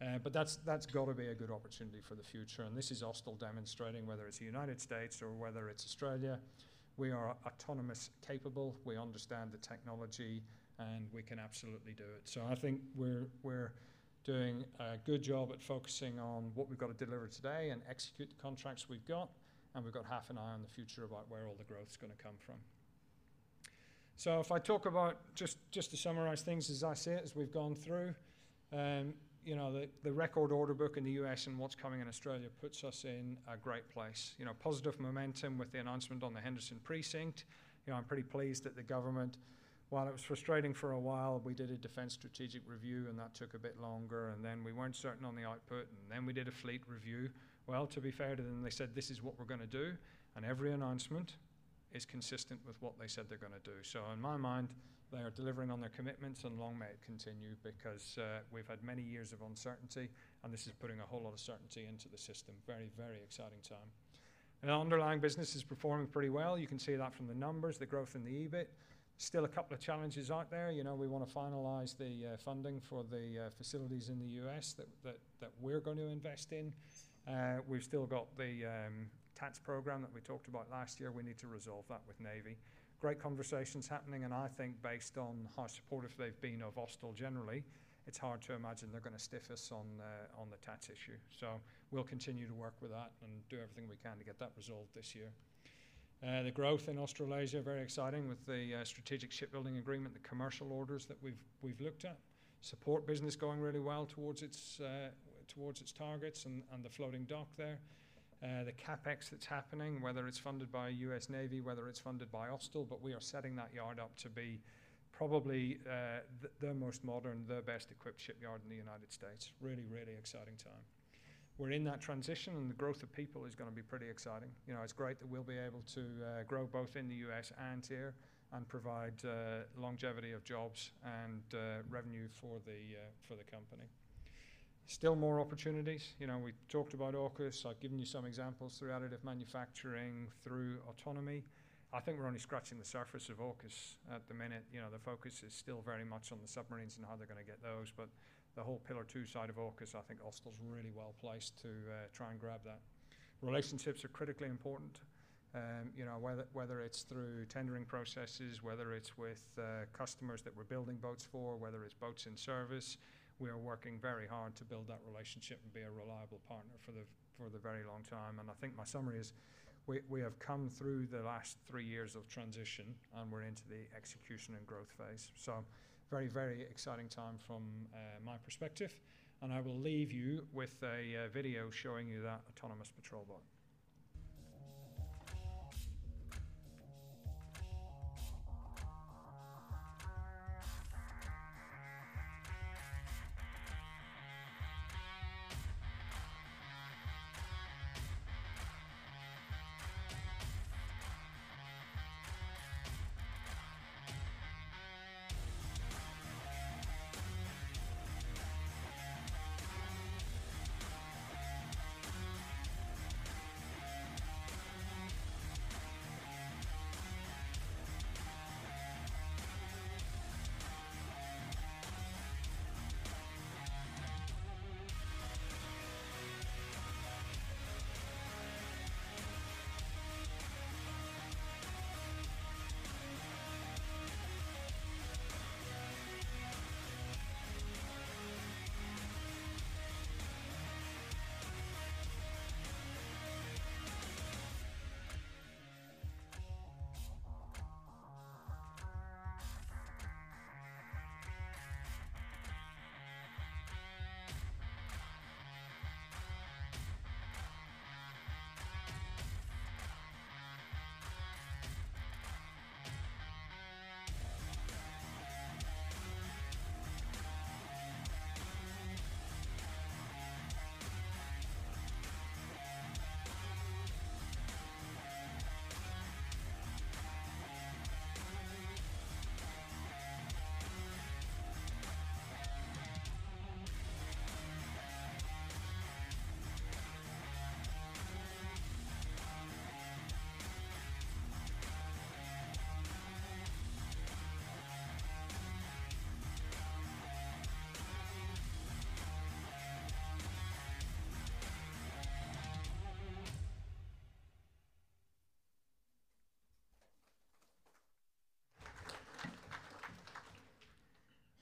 That's got to be a good opportunity for the future. This is Austal demonstrating whether it's the United States or whether it's Australia. We are autonomous, capable. We understand the technology, and we can absolutely do it. I think we're doing a good job at focusing on what we've got to deliver today and execute the contracts we've got, and we've got half an eye on the future about where all the growth is going to come from. So if I talk about just to summarize things as I see it, as we've gone through, the record order book in the U.S. and what's coming in Australia puts us in a great place. Positive momentum with the announcement on the Henderson precinct. I'm pretty pleased that the government, while it was frustrating for a while, we did a Defence Strategic Review, and that took a bit longer, and then we weren't certain on the output, and then we did a Fleet Review. Well, to be fair, then they said, "This is what we're going to do," and every announcement is consistent with what they said they're going to do. So in my mind, they are delivering on their commitments and long may it continue because we've had many years of uncertainty, and this is putting a whole lot of certainty into the system. Very, very exciting time. Our underlying business is performing pretty well. You can see that from the numbers, the growth in the EBIT. Still a couple of challenges out there. We want to finalize the funding for the facilities in the U.S. that we're going to invest in. We've still got the tax program that we talked about last year. We need to resolve that with Navy. Great conversations happening, and I think based on how supportive they've been of Austal generally, it's hard to imagine they're going to stiff us on the tax issue. So we'll continue to work with that and do everything we can to get that resolved this year. The growth in Australasia, very exciting with the strategic shipbuilding agreement, the commercial orders that we've looked at. Support business going really well towards its targets and the floating dock there. The CapEx that's happening, whether it's funded by U.S. Navy, whether it's funded by Austal, but we are setting that yard up to be probably the most modern, the best equipped shipyard in the United States. Really, really exciting time. We're in that transition, and the growth of people is going to be pretty exciting. It's great that we'll be able to grow both in the US and here and provide longevity of jobs and revenue for the company. Still more opportunities. We talked about AUKUS. I've given you some examples through additive manufacturing, through autonomy. I think we're only scratching the surface of AUKUS at the minute. The focus is still very much on the submarines and how they're going to get those, but the whole Pillar Two side of AUKUS, I think Austal's really well placed to try and grab that. Relationships are critically important. Whether it's through tendering processes, whether it's with customers that we're building boats for, whether it's boats in service, we are working very hard to build that relationship and be a reliable partner for the very long time. And I think my summary is we have come through the last three years of transition, and we're into the execution and growth phase. So very, very exciting time from my perspective. And I will leave you with a video showing you that autonomous patrol boat.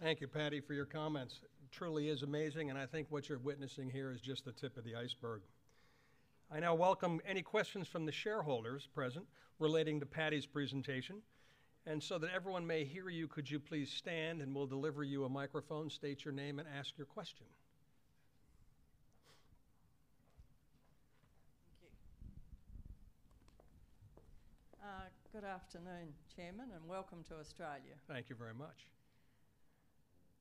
Thank you, Paddy, for your comments. Truly is amazing, and I think what you're witnessing here is just the tip of the iceberg. I now welcome any questions from the shareholders present relating to Paddy's presentation. And so that everyone may hear you, could you please stand, and we'll deliver you a microphone, state your name, and ask your question. Thank you. Good afternoon, Chairman, and welcome to Australia. Thank you very much.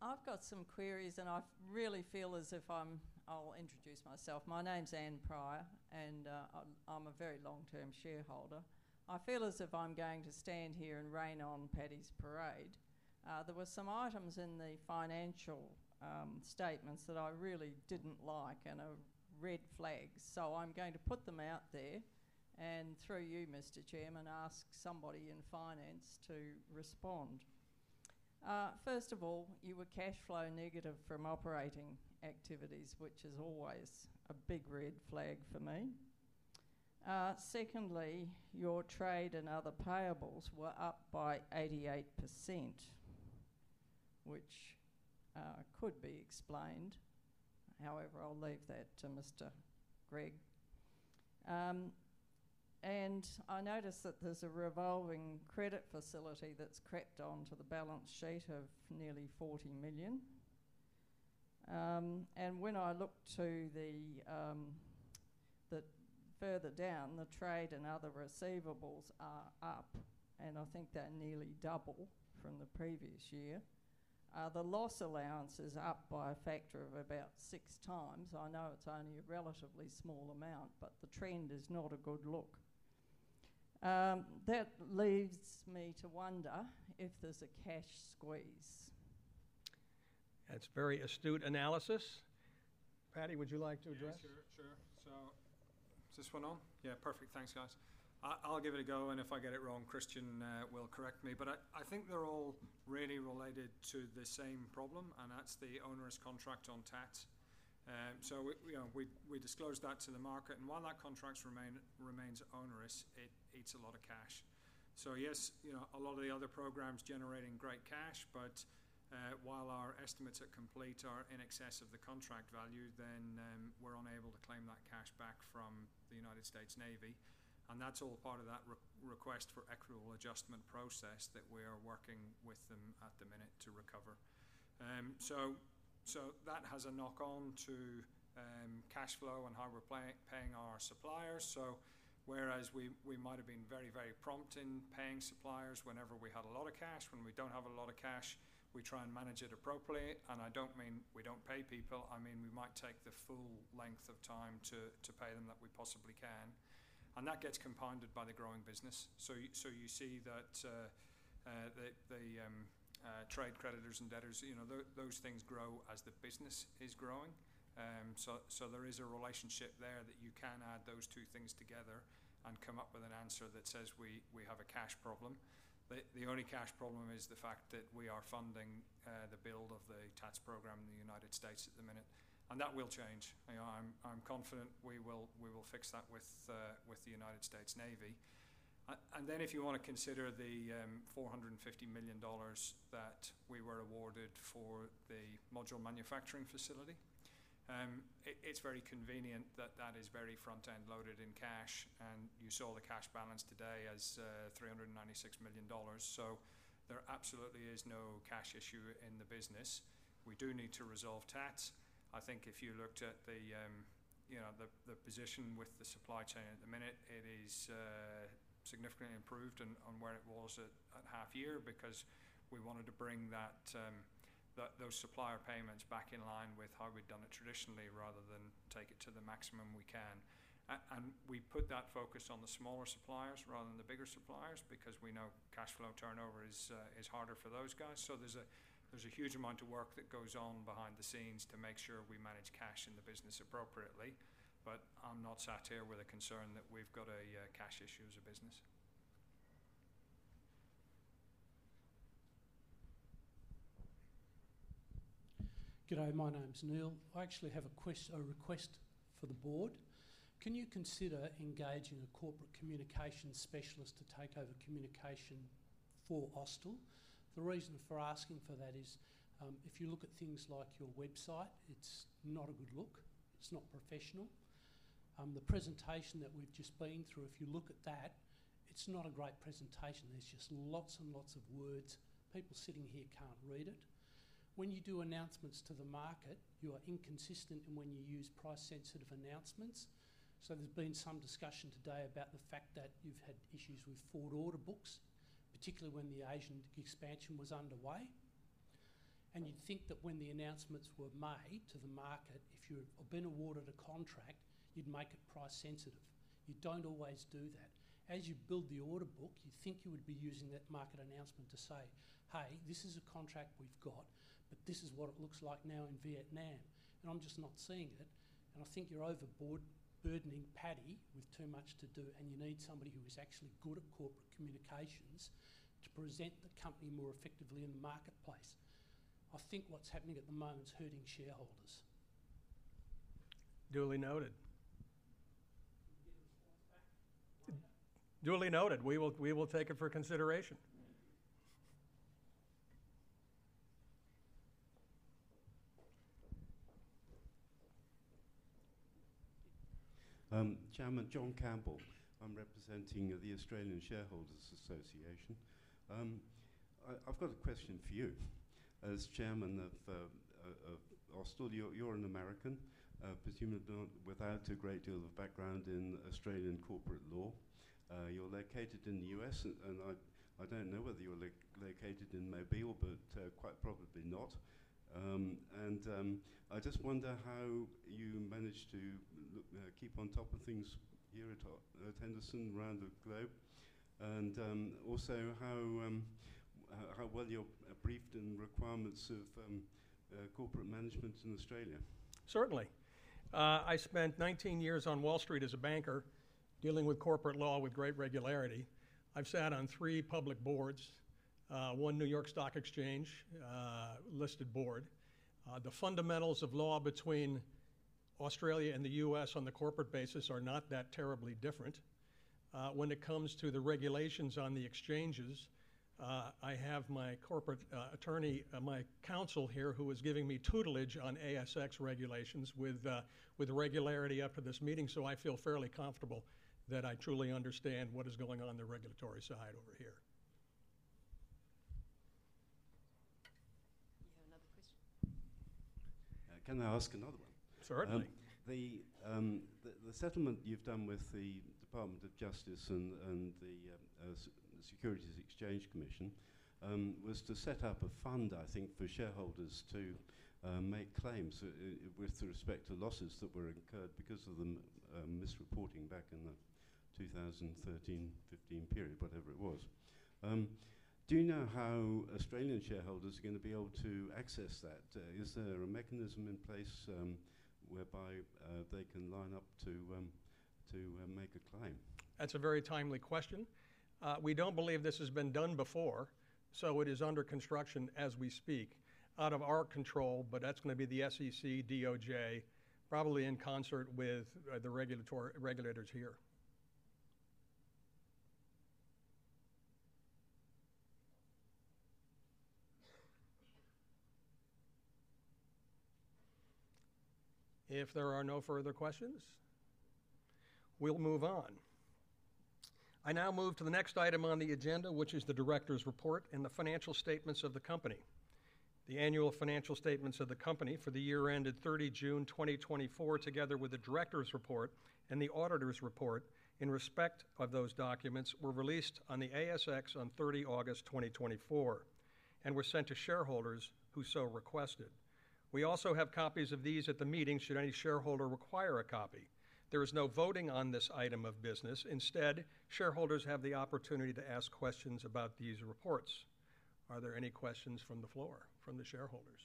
I've got some queries, and I really feel as if I'm, I'll introduce myself. My name's Ann Pryor, and I'm a very long-term shareholder. I feel as if I'm going to stand here and rain on Paddy's parade. There were some items in the financial statements that I really didn't like and are red flags. So I'm going to put them out there and through you, Mr. Chairman, ask somebody in finance to respond. First of all, you were cash flow negative from operating activities, which is always a big red flag for me. Secondly, your trade and other payables were up by 88%, which could be explained. However, I'll leave that to Mr. Gregg. And I noticed that there's a revolving credit facility that's crept onto the balance sheet of nearly 40 million. When I look further down, the trade and other receivables are up, and I think they're nearly double from the previous year. The loss allowance is up by a factor of about six times. I know it's only a relatively small amount, but the trend is not a good look. That leaves me to wonder if there's a cash squeeze. That's very astute analysis. Paddy, would you like to address? Yeah, sure. So is this one on? Yeah, perfect. Thanks, guys. I'll give it a go, and if I get it wrong, Christian will correct me. But I think they're all really related to the same problem, and that's the onerous contract on T-ATS. So we disclosed that to the market, and while that contract remains onerous, it eats a lot of cash. So yes, a lot of the other programs are generating great cash, but while our estimates at complete are in excess of the contract value, then we're unable to claim that cash back from the United States Navy. And that's all part of that request for equitable adjustment process that we are working with them at the minute to recover. So that has a knock-on to cash flow and how we're paying our suppliers. So whereas we might have been very, very prompt in paying suppliers whenever we had a lot of cash, when we don't have a lot of cash, we try and manage it appropriately. And I don't mean we don't pay people. I mean we might take the full length of time to pay them that we possibly can. And that gets compounded by the growing business. So you see that the trade creditors and debtors, those things grow as the business is growing. So there is a relationship there that you can add those two things together and come up with an answer that says we have a cash problem. The only cash problem is the fact that we are funding the build of the LCS program in the United States at the minute. And that will change. I'm confident we will fix that with the United States Navy. And then if you want to consider the $450 million that we were awarded for the module manufacturing facility, it's very convenient that that is very front-end loaded in cash, and you saw the cash balance today as 396 million dollars. So there absolutely is no cash issue in the business. We do need to resolve LCS. I think if you looked at the position with the supply chain at the minute, it is significantly improved on where it was at half year because we wanted to bring those supplier payments back in line with how we'd done it traditionally rather than take it to the maximum we can. And we put that focus on the smaller suppliers rather than the bigger suppliers because we know cash flow turnover is harder for those guys. So there's a huge amount of work that goes on behind the scenes to make sure we manage cash in the business appropriately. But I'm not sat here with a concern that we've got a cash issue as a business. G'day. My name's Neil. I actually have a request for the board. Can you consider engaging a corporate communications specialist to take over communication for Austal? The reason for asking for that is if you look at things like your website, it's not a good look. It's not professional. The presentation that we've just been through, if you look at that, it's not a great presentation. There's just lots and lots of words. People sitting here can't read it. When you do announcements to the market, you are inconsistent in when you use price-sensitive announcements. So there's been some discussion today about the fact that you've had issues with forward order books, particularly when the Asian expansion was underway. And you'd think that when the announcements were made to the market, if you had been awarded a contract, you'd make it price-sensitive. You don't always do that. As you build the order book, you think you would be using that market announcement to say, "Hey, this is a contract we've got, but this is what it looks like now in Vietnam, and I'm just not seeing it." And I think you're overburdening Paddy with too much to do, and you need somebody who is actually good at corporate communications to present the company more effectively in the marketplace. I think what's happening at the moment is hurting shareholders. Duly noted. Duly noted. We will take it for consideration. Chairman, John Campbell, I'm representing the Australian Shareholders Association. I've got a question for you. As Chairman of Austal, you're an American, presumably without a great deal of background in Australian corporate law. You're located in the U.S., and I don't know whether you're located in Mobile, but quite probably not. I just wonder how you manage to keep on top of things here at Henderson around the globe and also how well you're briefed in requirements of corporate management in Australia. Certainly. I spent 19 years on Wall Street as a banker dealing with corporate law with great regularity. I've sat on three public boards, one New York Stock Exchange-listed board. The fundamentals of law between Australia and the U.S. on the corporate basis are not that terribly different. When it comes to the regulations on the exchanges, I have my corporate attorney, my counsel here, who is giving me tutelage on ASX regulations with regularity after this meeting, so I feel fairly comfortable that I truly understand what is going on the regulatory side over here. You have another question? Can I ask another one? Certainly. The settlement you've done with the Department of Justice and the Securities and Exchange Commission was to set up a fund, I think, for shareholders to make claims with respect to losses that were incurred because of the misreporting back in the 2013, 2015 period, whatever it was. Do you know how Australian shareholders are going to be able to access that? Is there a mechanism in place whereby they can line up to make a claim? That's a very timely question. We don't believe this has been done before, so it is under construction as we speak out of our control, but that's going to be the SEC, DOJ, probably in concert with the regulators here. If there are no further questions, we'll move on. I now move to the next item on the agenda, which is the director's report and the financial statements of the company. The annual financial statements of the company for the year ended 30 June 2024, together with the director's report and the auditor's report in respect of those documents, were released on the ASX on 30 August 2024 and were sent to shareholders who so requested. We also have copies of these at the meeting should any shareholder require a copy. There is no voting on this item of business. Instead, shareholders have the opportunity to ask questions about these reports. Are there any questions from the floor, from the shareholders?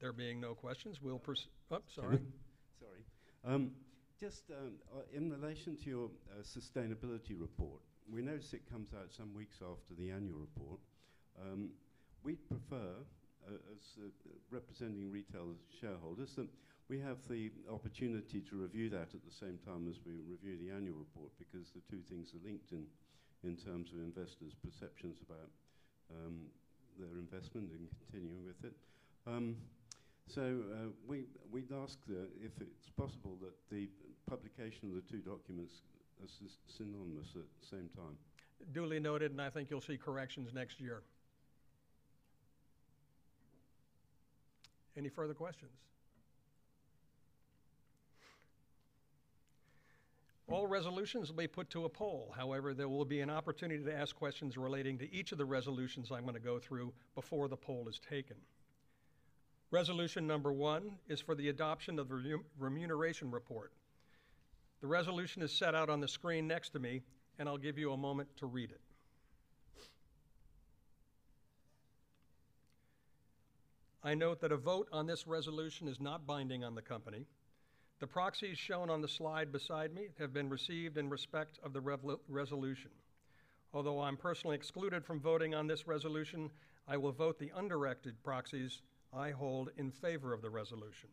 There being no questions, we'll proceed, oh, sorry. Sorry. Just in relation to your sustainability report, we notice it comes out some weeks after the annual report. We'd prefer, as representing retail shareholders, that we have the opportunity to review that at the same time as we review the annual report because the two things are linked in terms of investors' perceptions about their investment and continuing with it. So we'd ask if it's possible that the publication of the two documents is synonymous at the same time. Duly noted, and I think you'll see corrections next year. Any further questions? All resolutions will be put to a poll. However, there will be an opportunity to ask questions relating to each of the resolutions I'm going to go through before the poll is taken. Resolution number one is for the adoption of the remuneration report. The resolution is set out on the screen next to me, and I'll give you a moment to read it. I note that a vote on this resolution is not binding on the company. The proxies shown on the slide beside me have been received in respect of the resolution. Although I'm personally excluded from voting on this resolution, I will vote the undirected proxies I hold in favor of the resolution.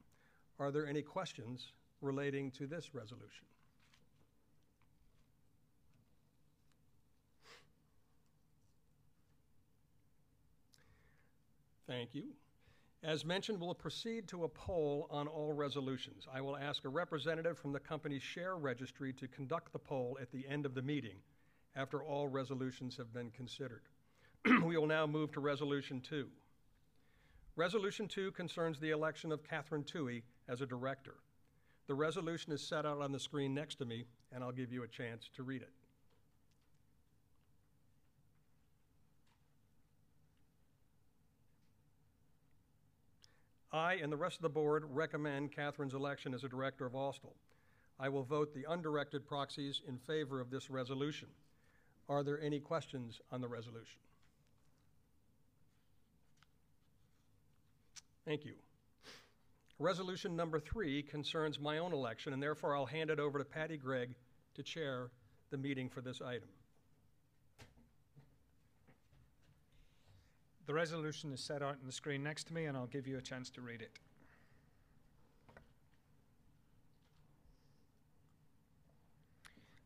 Are there any questions relating to this resolution? Thank you. As mentioned, we'll proceed to a poll on all resolutions. I will ask a representative from the company's share registry to conduct the poll at the end of the meeting after all resolutions have been considered. We will now move to resolution two. Resolution two concerns the election of Kathryn Toohey as a director. The resolution is set out on the screen next to me, and I'll give you a chance to read it. I and the rest of the board recommend Kathryn's election as a director of Austal. I will vote the undirected proxies in favor of this resolution. Are there any questions on the resolution? Thank you. Resolution number three concerns my own election, and therefore I'll hand it over to Paddy Gregg to chair the meeting for this item. The resolution is set out on the screen next to me, and I'll give you a chance to read it.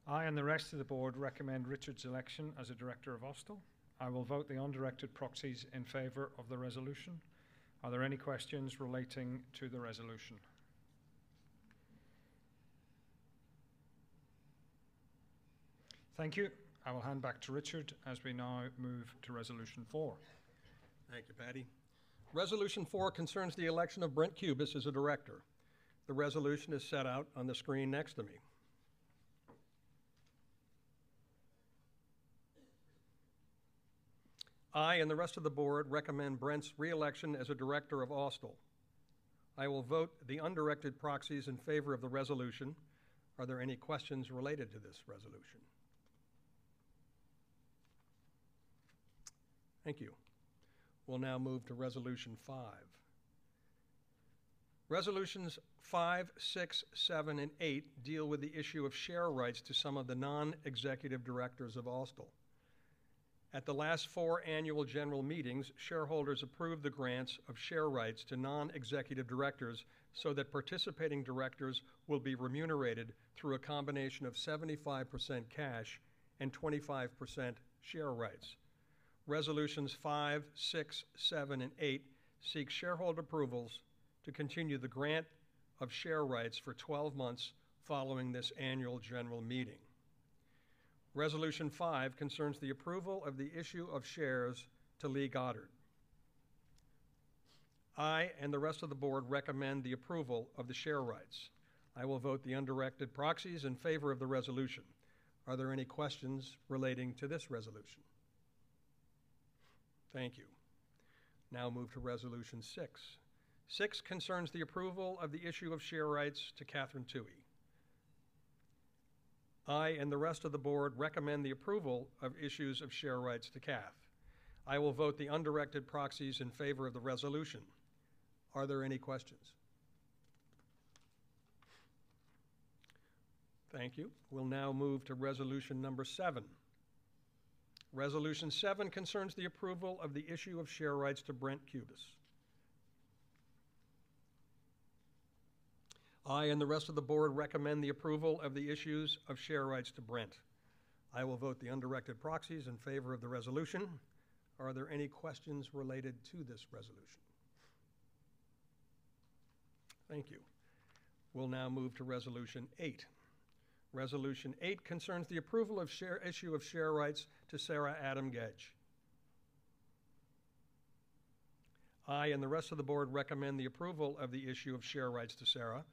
I and the rest of the board recommend Richard's election as a director of Austal. I will vote the undirected proxies in favor of the resolution. Are there any questions relating to the resolution? Thank you. I will hand back to Richard as we now move to resolution four. Thank you, Paddy. Resolution four concerns the election of Brent Cubis as a director. The resolution is set out on the screen next to me. I and the rest of the board recommend Brent's re-election as a director of Austal. I will vote the undirected proxies in favor of the resolution. Are there any questions related to this resolution? Thank you. We'll now move to resolution five. Resolutions five, six, seven, and eight deal with the issue of share rights to some of the non-executive directors of Austal. At the last four annual general meetings, shareholders approved the grants of share rights to non-executive directors so that participating directors will be remunerated through a combination of 75% cash and 25% share rights. Resolutions five, six, seven, and eight seek shareholder approvals to continue the grant of share rights for 12 months following this annual general meeting. Resolution five concerns the approval of the issue of shares to Lee Goddard. I and the rest of the board recommend the approval of the share rights. I will vote the undirected proxies in favor of the resolution. Are there any questions relating to this resolution? Thank you. Now move to resolution six. Resolution six concerns the approval of the issue of share rights to Kathryn Toohey. I and the rest of the board recommend the approval of issues of share rights to Kath. I will vote the undirected proxies in favor of the resolution. Are there any questions? Thank you. We'll now move to resolution number seven. Resolution seven concerns the approval of the issue of share rights to Brent Cubis. I and the rest of the board recommend the approval of the issues of share rights to Brent. I will vote the undirected proxies in favor of the resolution. Are there any questions related to this resolution? Thank you. We'll now move to resolution eight. Resolution eight concerns the approval of issue of share rights to Sarah Adam-Gedge. I and the rest of the board recommend the approval of the issue of share rights to Sarah.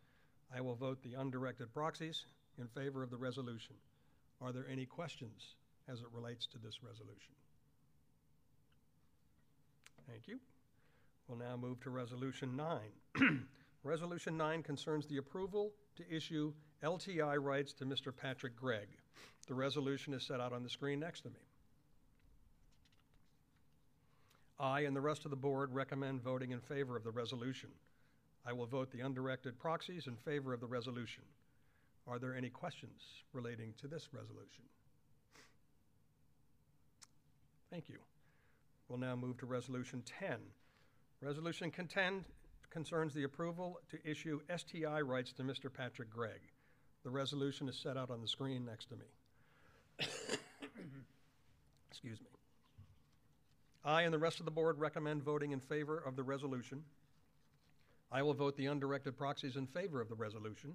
I will vote the undirected proxies in favor of the resolution. Are there any questions as it relates to this resolution? Thank you. We'll now move to resolution nine. Resolution nine concerns the approval to issue LTI rights to Mr. Patrick Gregg. The resolution is set out on the screen next to me. I and the rest of the board recommend voting in favor of the resolution. I will vote the undirected proxies in favor of the resolution. Are there any questions relating to this resolution? Thank you. We'll now move to resolution ten. Resolution ten concerns the approval to issue STI rights to Mr. Patrick Gregg. The resolution is set out on the screen next to me. Excuse me. I and the rest of the board recommend voting in favor of the resolution. I will vote the undirected proxies in favor of the resolution.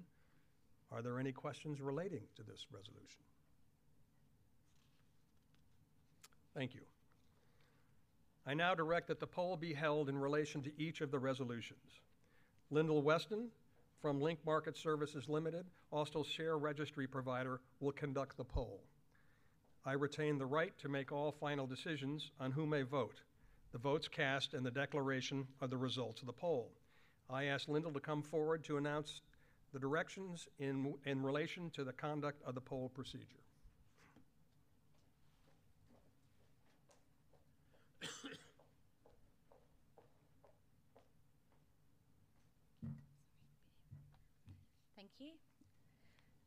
Are there any questions relating to this resolution? Thank you. I now direct that the poll be held in relation to each of the resolutions. Lyndall Weston from Link Market Services Limited, Austal's share registry provider, will conduct the poll. I retain the right to make all final decisions on who may vote. The votes cast and the declaration are the results of the poll. I ask Lindel to come forward to announce the directions in relation to the conduct of the poll procedure.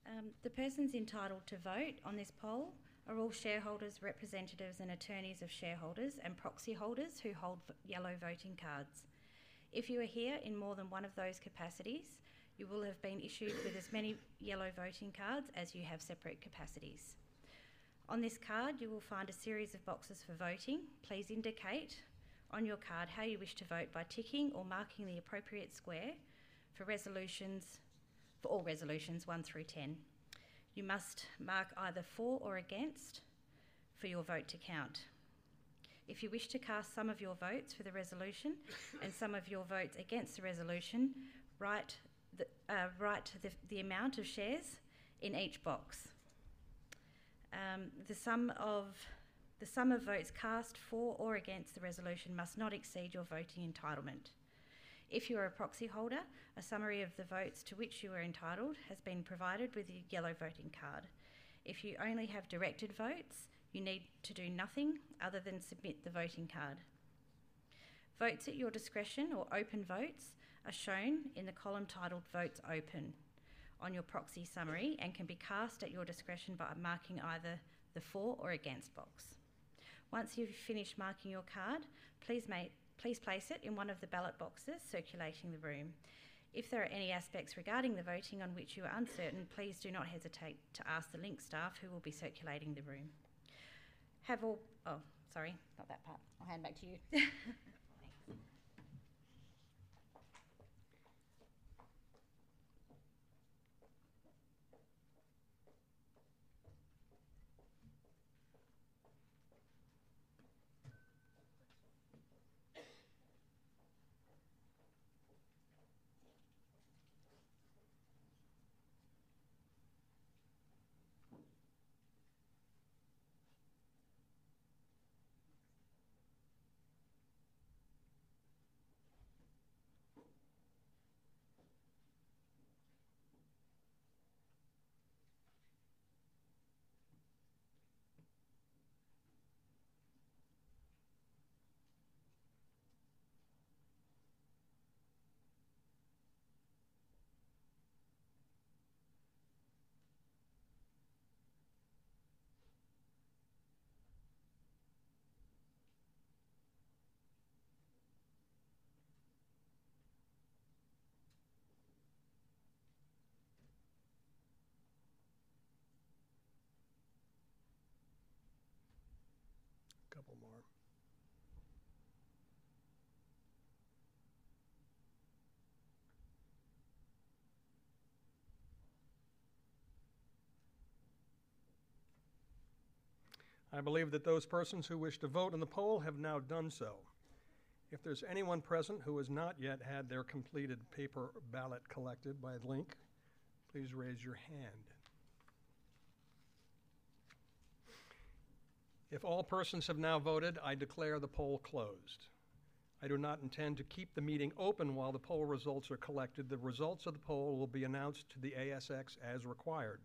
Thank you. The persons entitled to vote on this poll are all shareholders, representatives, and attorneys of shareholders and proxy holders who hold yellow voting cards. If you are here in more than one of those capacities, you will have been issued with as many yellow voting cards as you have separate capacities. On this card, you will find a series of boxes for voting. Please indicate on your card how you wish to vote by ticking or marking the appropriate square for all resolutions one through ten. You must mark either for or against for your vote to count. If you wish to cast some of your votes for the resolution and some of your votes against the resolution, write the amount of shares in each box. The sum of votes cast for or against the resolution must not exceed your voting entitlement. If you are a proxy holder, a summary of the votes to which you are entitled has been provided with your yellow voting card. If you only have directed votes, you need to do nothing other than submit the voting card. Votes at your discretion or open votes are shown in the column titled Votes Open on your proxy summary and can be cast at your discretion by marking either the for or against box. Once you've finished marking your card, please place it in one of the ballot boxes circulating the room. If there are any aspects regarding the voting on which you are uncertain, please do not hesitate to ask the Link staff who will be circulating the room. I'll hand back to you. A couple more. I believe that those persons who wish to vote in the poll have now done so. If there's anyone present who has not yet had their completed paper ballot collected by Link, please raise your hand. If all persons have now voted, I declare the poll closed. I do not intend to keep the meeting open while the poll results are collected. The results of the poll will be announced to the ASX as required.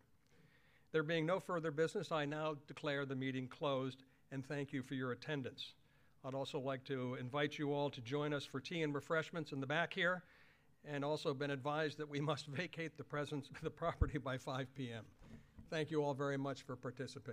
There being no further business, I now declare the meeting closed and thank you for your attendance. I'd also like to invite you all to join us for tea and refreshments in the back here, and I've also been advised that we must vacate the premises by 5:00 P.M. Thank you all very much for participating.